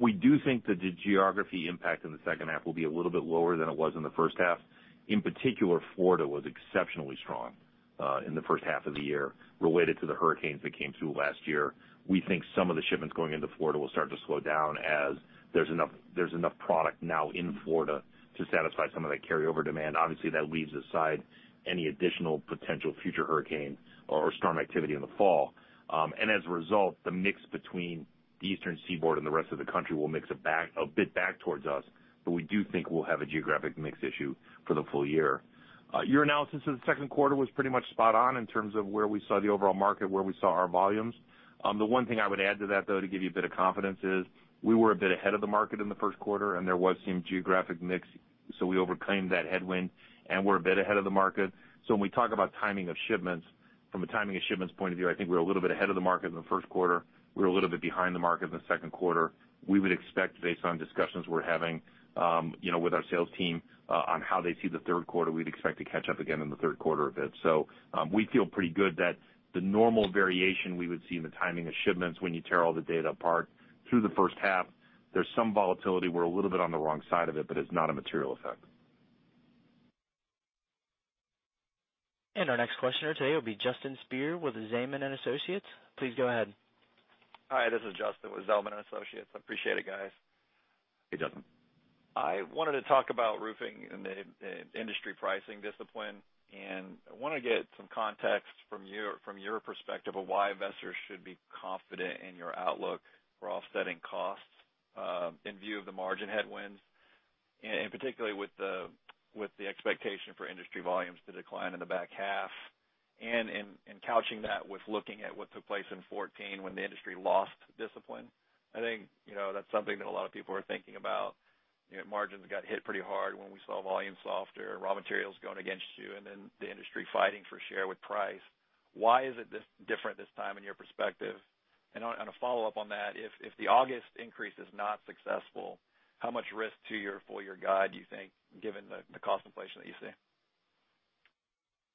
We do think that the geography impact in the second half will be a little bit lower than it was in the first half. In particular, Florida was exceptionally strong in the first half of the year related to the hurricanes that came through last year. We think some of the shipments going into Florida will start to slow down as there's enough product now in Florida to satisfy some of that carryover demand. Obviously, that leaves aside any additional potential future hurricane or storm activity in the fall, and as a result, the mix between the Eastern Seaboard and the rest of the country will mix a bit back towards us, but we do think we'll have a geographic mix issue for the full year. Your analysis of the second quarter was pretty much spot on in terms of where we saw the overall market, where we saw our volumes. The one thing I would add to that, though, to give you a bit of confidence is we were a bit ahead of the market in the first quarter, and there was some geographic mix, so we overcame that headwind and were a bit ahead of the market. So when we talk about timing of shipments, from a timing of shipments point of view, I think we're a little bit ahead of the market in the first quarter. We're a little bit behind the market in the second quarter. We would expect, based on discussions we're having with our sales team on how they see the third quarter, we'd expect to catch up again in the third quarter a bit. So we feel pretty good that the normal variation we would see in the timing of shipments, when you tear all the data apart through the first half, there's some volatility. We're a little bit on the wrong side of it, but it's not a material effect. And our next questioner today will be Justin Speer with Zelman & Associates. Please go ahead. Hi. This is Justin with Zelman & Associates. I appreciate it, guys. Hey, Justin. I wanted to talk about roofing and the industry pricing discipline. And I want to get some context from your perspective of why investors should be confident in your outlook for offsetting costs in view of the margin headwinds, and particularly with the expectation for industry volumes to decline in the back half, and in couching that with looking at what took place in 2014 when the industry lost discipline. I think that's something that a lot of people are thinking about. Margins got hit pretty hard when we saw volume softer, raw materials going against you, and then the industry fighting for share with price. Why is it different this time in your perspective? And on a follow-up on that, if the August increase is not successful, how much risk to your full-year guide do you think, given the cost inflation that you see?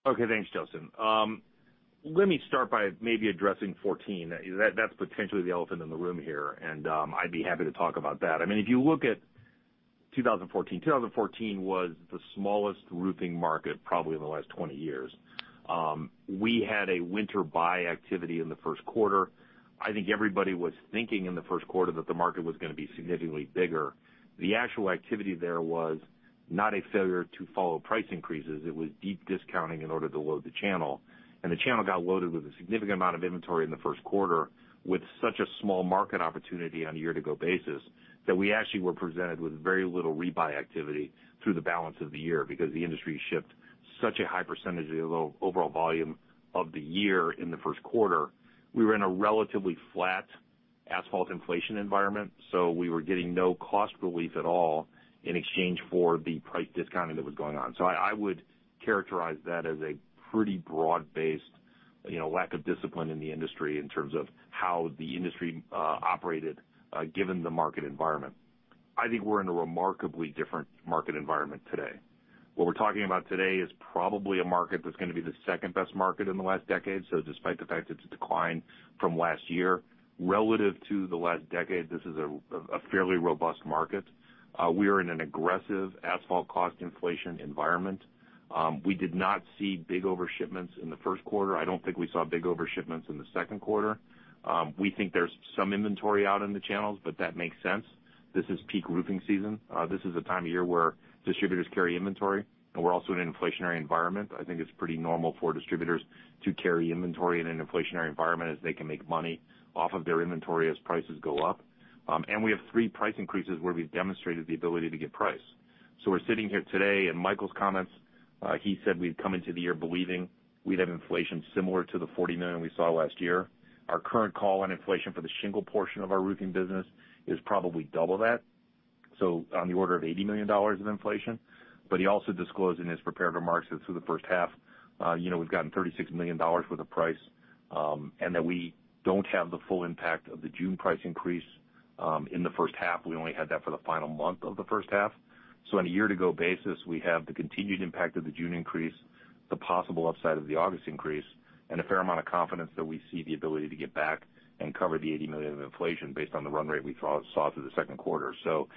Okay. Thanks, Justin. Let me start by maybe addressing 2014. That's potentially the elephant in the room here, and I'd be happy to talk about that. I mean, if you look at 2014, 2014 was the smallest roofing market probably in the last 20 years. We had a winter buy activity in the first quarter. I think everybody was thinking in the first quarter that the market was going to be significantly bigger. The actual activity there was not a failure to follow price increases. It was deep discounting in order to load the channel. And the channel got loaded with a significant amount of inventory in the first quarter with such a small market opportunity on a year-to-go basis that we actually were presented with very little rebuy activity through the balance of the year because the industry shipped such a high percentage of the overall volume of the year in the first quarter. We were in a relatively flat asphalt inflation environment, so we were getting no cost relief at all in exchange for the price discounting that was going on. So I would characterize that as a pretty broad-based lack of discipline in the industry in terms of how the industry operated given the market environment. I think we're in a remarkably different market environment today. What we're talking about today is probably a market that's going to be the second-best market in the last decade. So despite the fact that it's declined from last year relative to the last decade, this is a fairly robust market. We are in an aggressive asphalt cost inflation environment. We did not see big overshipments in the first quarter. I don't think we saw big overshipments in the second quarter. We think there's some inventory out in the channels, but that makes sense. This is peak roofing season. This is a time of year where distributors carry inventory, and we're also in an inflationary environment. I think it's pretty normal for distributors to carry inventory in an inflationary environment as they can make money off of their inventory as prices go up. And we have three price increases where we've demonstrated the ability to get price. So we're sitting here today, and Michael's comments, he said we'd come into the year believing we'd have inflation similar to the $40 million we saw last year. Our current call on inflation for the shingle portion of our roofing business is probably double that, so on the order of $80 million of inflation. But he also disclosed in his prepared remarks that through the first half, we've gotten $36 million worth of price and that we don't have the full impact of the June price increase in the first half. We only had that for the final month of the first half. So on a year-to-go basis, we have the continued impact of the June increase, the possible upside of the August increase, and a fair amount of confidence that we see the ability to get back and cover the $80 million of inflation based on the run rate we saw through the second quarter. So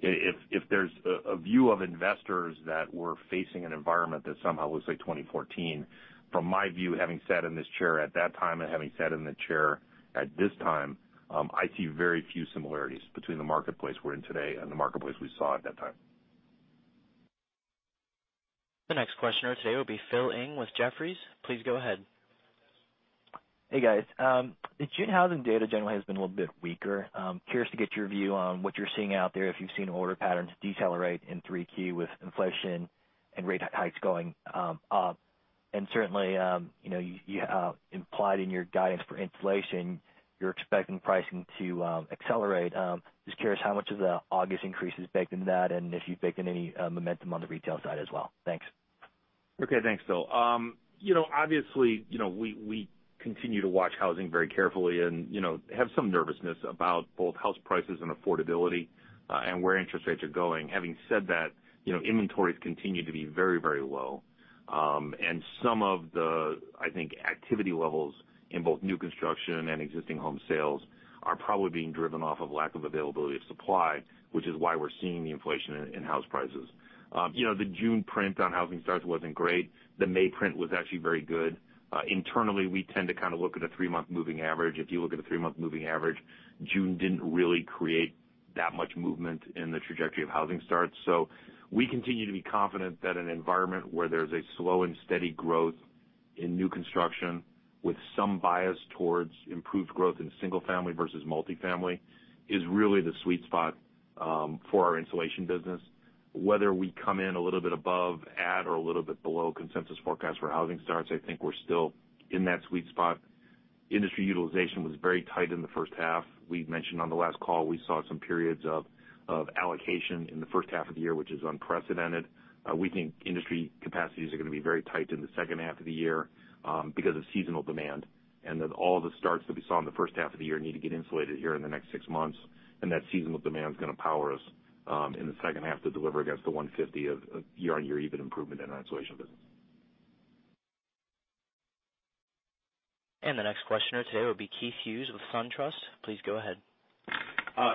if there's a view of investors that we're facing an environment that somehow looks like 2014, from my view, having sat in this chair at that time and having sat in the chair at this time, I see very few similarities between the marketplace we're in today and the marketplace we saw at that time. The next questioner today will be Philip Ng with Jefferies. Please go ahead. Hey, guys. The June housing data generally has been a little bit weaker. Curious to get your view on what you're seeing out there, if you've seen order patterns decelerate in 3Q with inflation and rate hikes going up? And certainly, you implied in your guidance for inflation, you're expecting pricing to accelerate. Just curious how much of the August increase is baked into that and if you've baked in any momentum on the retail side as well. Thanks. Okay. Thanks, Phil. Obviously, we continue to watch housing very carefully and have some nervousness about both house prices and affordability and where interest rates are going. Having said that, inventories continue to be very, very low. And some of the, I think, activity levels in both new construction and existing home sales are probably being driven off of lack of availability of supply, which is why we're seeing the inflation in house prices. The June print on housing starts wasn't great. The May print was actually very good. Internally, we tend to kind of look at a three-month moving average. If you look at a three-month moving average, June didn't really create that much movement in the trajectory of housing starts. We continue to be confident that an environment where there's a slow and steady growth in new construction with some bias towards improved growth in single-family versus multifamily is really the sweet spot for our insulation business. Whether we come in a little bit above at or a little bit below consensus forecast for housing starts, I think we're still in that sweet spot. Industry utilization was very tight in the first half. We mentioned on the last call, we saw some periods of allocation in the first half of the year, which is unprecedented. We think industry capacities are going to be very tight in the second half of the year because of seasonal demand and that all the starts that we saw in the first half of the year need to get insulated here in the next six months, and that seasonal demand is going to power us in the second half to deliver against the $150 million of year-on-year EBIT improvement in our insulation business. The next questioner today will be Keith Hughes with SunTrust. Please go ahead.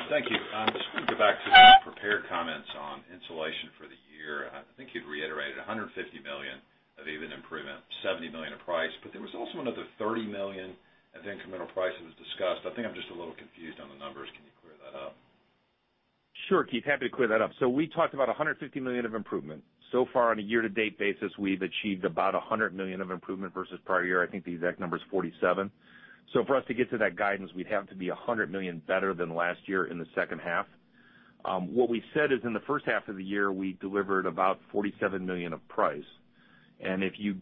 Thank you. Just going to go back to some prepared comments on insulation for the year. I think you'd reiterated $150 million of EBIT improvement, $70 million of price, but there was also another $30 million of incremental price that was discussed. I think I'm just a little confused on the numbers. Can you clear that up? Sure, Keith. Happy to clear that up. We talked about $150 million of improvement. So far, on a year-to-date basis, we've achieved about $100 million of improvement versus prior year. I think the exact number is $47 million. For us to get to that guidance, we'd have to be $100 million better than last year in the second half. What we said is in the first half of the year, we delivered about $47 million of price. And if you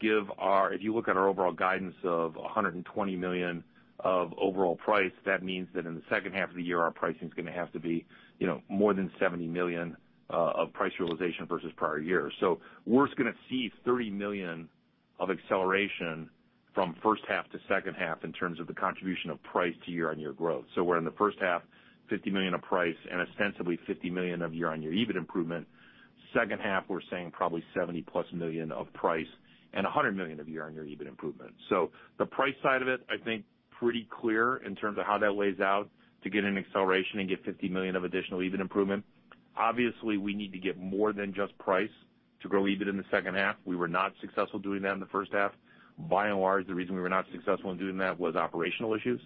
look at our overall guidance of $120 million of overall price, that means that in the second half of the year, our pricing is going to have to be more than $70 million of price realization versus prior year. We're going to see $30 million of acceleration from first half to second half in terms of the contribution of price to year-on-year growth. We're in the first half, $50 million of price and ostensibly $50 million of year-on-year EBIT improvement. Second half, we're saying probably $70-plus million of price and $100 million of year-on-year EBIT improvement. The price side of it, I think, is pretty clear in terms of how that lays out to get an acceleration and get $50 million of additional EBIT improvement. Obviously, we need to get more than just price to grow EBIT in the second half. We were not successful doing that in the first half. By and large, the reason we were not successful in doing that was operational issues.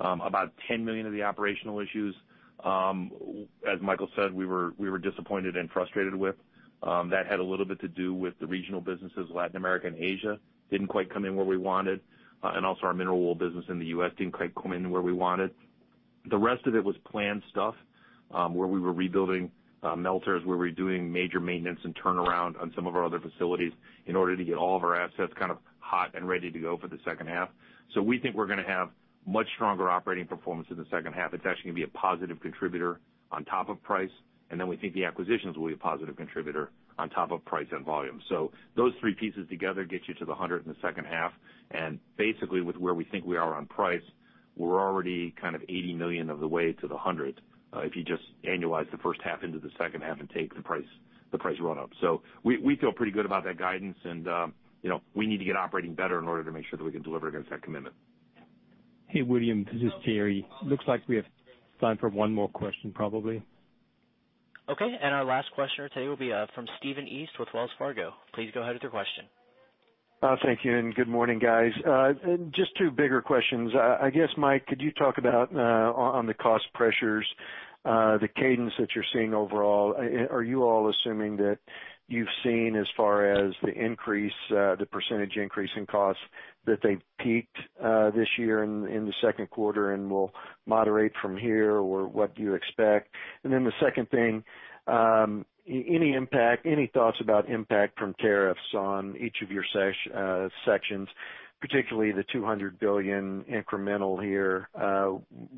About $10 million of the operational issues, as Michael said, we were disappointed and frustrated with. That had a little bit to do with the regional businesses, Latin America and Asia. They didn't quite come in where we wanted. And also our mineral wool business in the U.S. didn't quite come in where we wanted. The rest of it was planned stuff where we were rebuilding melters, where we're doing major maintenance and turnaround on some of our other facilities in order to get all of our assets kind of hot and ready to go for the second half. So we think we're going to have much stronger operating performance in the second half. It's actually going to be a positive contributor on top of price. And then we think the acquisitions will be a positive contributor on top of price and volume. So those three pieces together get you to the 100 in the second half. And basically, with where we think we are on price, we're already kind of $80 million of the way to the $100 million if you just annualize the first half into the second half and take the price run-up. So we feel pretty good about that guidance, and we need to get operating better in order to make sure that we can deliver against that commitment. Hey, William, this is Thierry. Looks like we have time for one more question, probably. Okay. And our last questioner today will be from Stephen East with Wells Fargo. Please go ahead with your question. Thank you. And good morning, guys. Just two bigger questions. I guess, Mike, could you talk about on the cost pressures, the cadence that you're seeing overall? Are you all assuming that you've seen, as far as the increase, the percentage increase in costs, that they've peaked this year in the second quarter and will moderate from here? Or what do you expect? And then the second thing, any thoughts about impact from tariffs on each of your sections, particularly the 200 billion incremental here,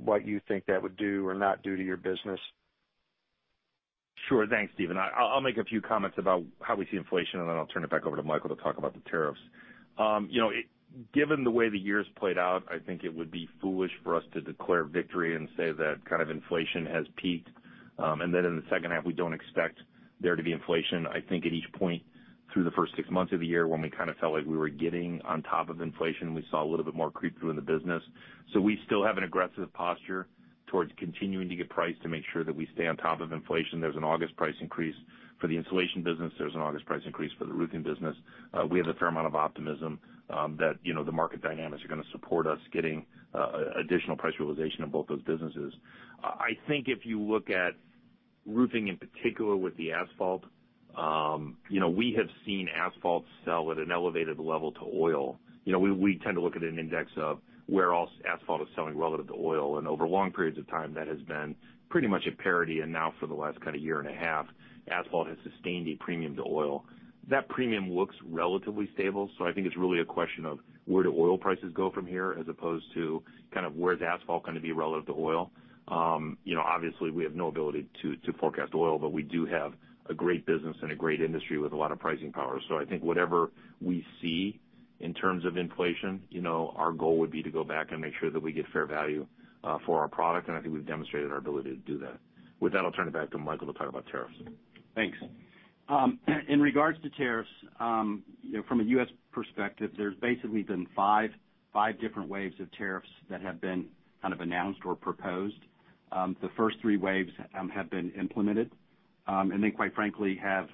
what you think that would do or not do to your business? Sure. Thanks, Stephen. I'll make a few comments about how we see inflation, and then I'll turn it back over to Michael to talk about the tariffs. Given the way the year has played out, I think it would be foolish for us to declare victory and say that kind of inflation has peaked, and then in the second half, we don't expect there to be inflation. I think at each point through the first six months of the year when we kind of felt like we were getting on top of inflation, we saw a little bit more creep through in the business. So we still have an aggressive posture towards continuing to get price to make sure that we stay on top of inflation. There's an August price increase for the insulation business. There's an August price increase for the roofing business. We have a fair amount of optimism that the market dynamics are going to support us getting additional price realization in both those businesses. I think if you look at roofing in particular with the asphalt, we have seen asphalt sell at an elevated level to oil. We tend to look at an index of where else asphalt is selling relative to oil. And over long periods of time, that has been pretty much a parity. And now for the last kind of year and a half, asphalt has sustained a premium to oil. That premium looks relatively stable. So I think it's really a question of where do oil prices go from here as opposed to kind of where's asphalt going to be relative to oil? Obviously, we have no ability to forecast oil, but we do have a great business and a great industry with a lot of pricing power. So I think whatever we see in terms of inflation, our goal would be to go back and make sure that we get fair value for our product. And I think we've demonstrated our ability to do that. With that, I'll turn it back to Michael to talk about tariffs. Thanks. In regards to tariffs, from a U.S. perspective, there's basically been five different waves of tariffs that have been kind of announced or proposed. The first three waves have been implemented and then, quite frankly, have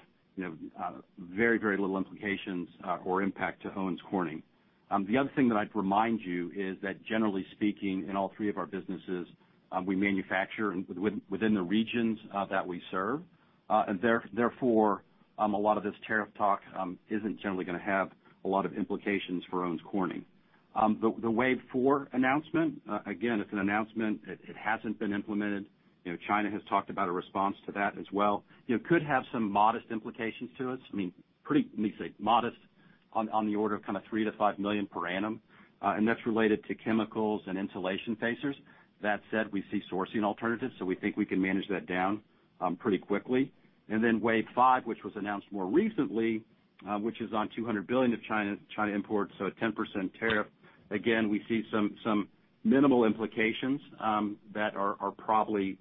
very, very little implications or impact to Owens Corning. The other thing that I'd remind you is that, generally speaking, in all three of our businesses, we manufacture within the regions that we serve. And therefore, a lot of this tariff talk isn't generally going to have a lot of implications for Owens Corning. The wave four announcement, again, it's an announcement. It hasn't been implemented. China has talked about a response to that as well. It could have some modest implications to us. I mean, pretty modest on the order of kind of $3 million-$5 million per annum. And that's related to chemicals and insulation facers. That said, we see sourcing alternatives, so we think we can manage that down pretty quickly and then wave five, which was announced more recently, which is on $200 billion of China imports, so a 10% tariff. Again, we see some minimal implications that are probably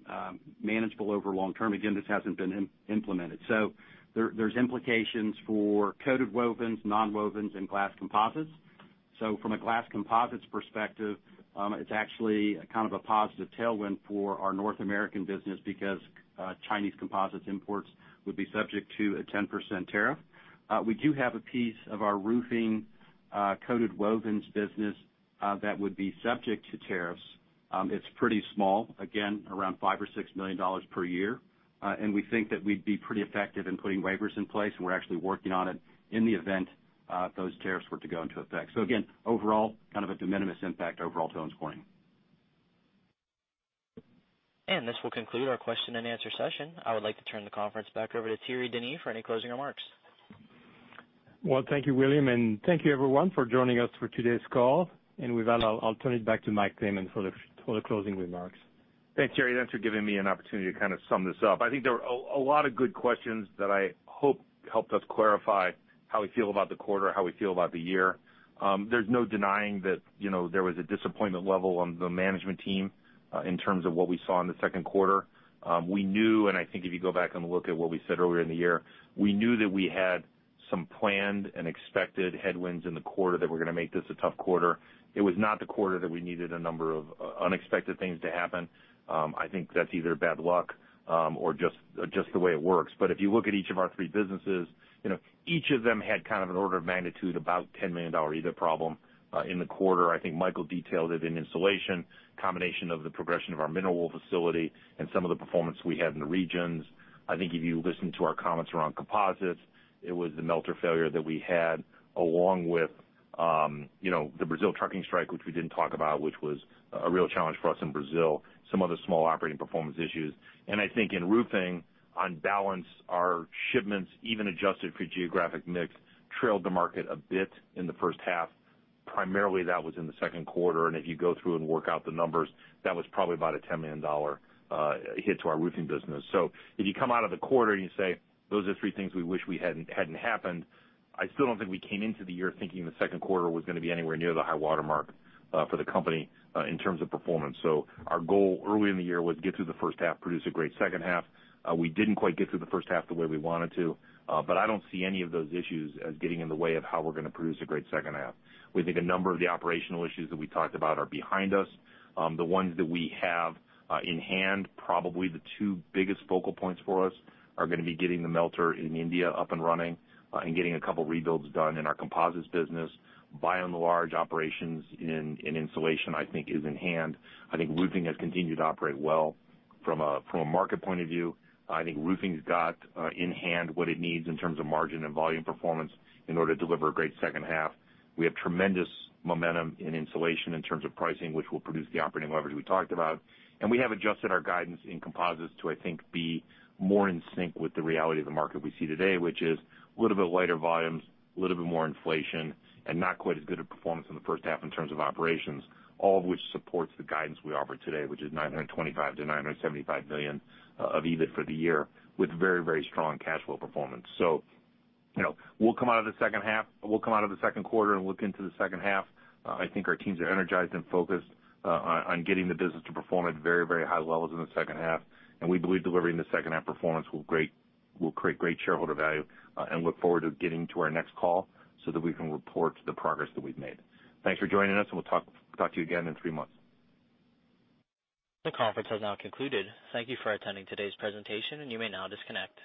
manageable over long term. Again, this hasn't been implemented, so there's implications for coated wovens, nonwovens, and glass composites, so from a glass composites perspective, it's actually kind of a positive tailwind for our North American business because Chinese composites imports would be subject to a 10% tariff. We do have a piece of our roofing coated wovens business that would be subject to tariffs. It's pretty small, again, around $5-$6 million per year. And we think that we'd be pretty effective in putting waivers in place, and we're actually working on it in the event those tariffs were to go into effect. So again, overall, kind of a de minimis impact overall to Owens Corning. And this will conclude our question and answer session. I would like to turn the conference back over to Thierry Denis for any closing remarks. Well, thank you, William, and thank you, everyone, for joining us for today's call. And with that, I'll turn it back to Mike Thaman for the closing remarks. Thanks, Thierry. Thanks for giving me an opportunity to kind of sum this up. I think there were a lot of good questions that I hope helped us clarify how we feel about the quarter, how we feel about the year. There's no denying that there was a disappointment level on the management team in terms of what we saw in the second quarter. We knew, and I think if you go back and look at what we said earlier in the year, we knew that we had some planned and expected headwinds in the quarter that were going to make this a tough quarter. It was not the quarter that we needed a number of unexpected things to happen. I think that's either bad luck or just the way it works. But if you look at each of our three businesses, each of them had kind of an order of magnitude about $10 million either problem in the quarter. I think Michael detailed it in insulation, combination of the progression of our mineral wool facility and some of the performance we had in the regions. I think if you listen to our comments around composites, it was the melter failure that we had along with the Brazil trucking strike, which we didn't talk about, which was a real challenge for us in Brazil, some other small operating performance issues, and I think in roofing, on balance, our shipments, even adjusted for geographic mix, trailed the market a bit in the first half. Primarily, that was in the second quarter, and if you go through and work out the numbers, that was probably about a $10 million hit to our roofing business, so if you come out of the quarter and you say, "Those are three things we wish hadn't happened," I still don't think we came into the year thinking the second quarter was going to be anywhere near the high watermark for the company in terms of performance. So our goal early in the year was to get through the first half, produce a great second half. We didn't quite get through the first half the way we wanted to, but I don't see any of those issues as getting in the way of how we're going to produce a great second half. We think a number of the operational issues that we talked about are behind us. The ones that we have in hand, probably the two biggest focal points for us, are going to be getting the melter in India up and running and getting a couple of rebuilds done in our composites business. By and large, operations in insulation, I think, is in hand. I think roofing has continued to operate well from a market point of view. I think roofing's got in hand what it needs in terms of margin and volume performance in order to deliver a great second half. We have tremendous momentum in insulation in terms of pricing, which will produce the operating leverage we talked about. And we have adjusted our guidance in composites to, I think, be more in sync with the reality of the market we see today, which is a little bit lighter volumes, a little bit more inflation, and not quite as good a performance in the first half in terms of operations, all of which supports the guidance we offer today, which is $925 million-$975 million of EBIT for the year with very, very strong cash flow performance. So we'll come out of the second half. We'll come out of the second quarter and look into the second half. I think our teams are energized and focused on getting the business to perform at very, very high levels in the second half. And we believe delivering the second half performance will create great shareholder value. And look forward to getting to our next call so that we can report the progress that we've made. Thanks for joining us, and we'll talk to you again in three months. The conference has now concluded. Thank you for attending today's presentation, and you may now disconnect.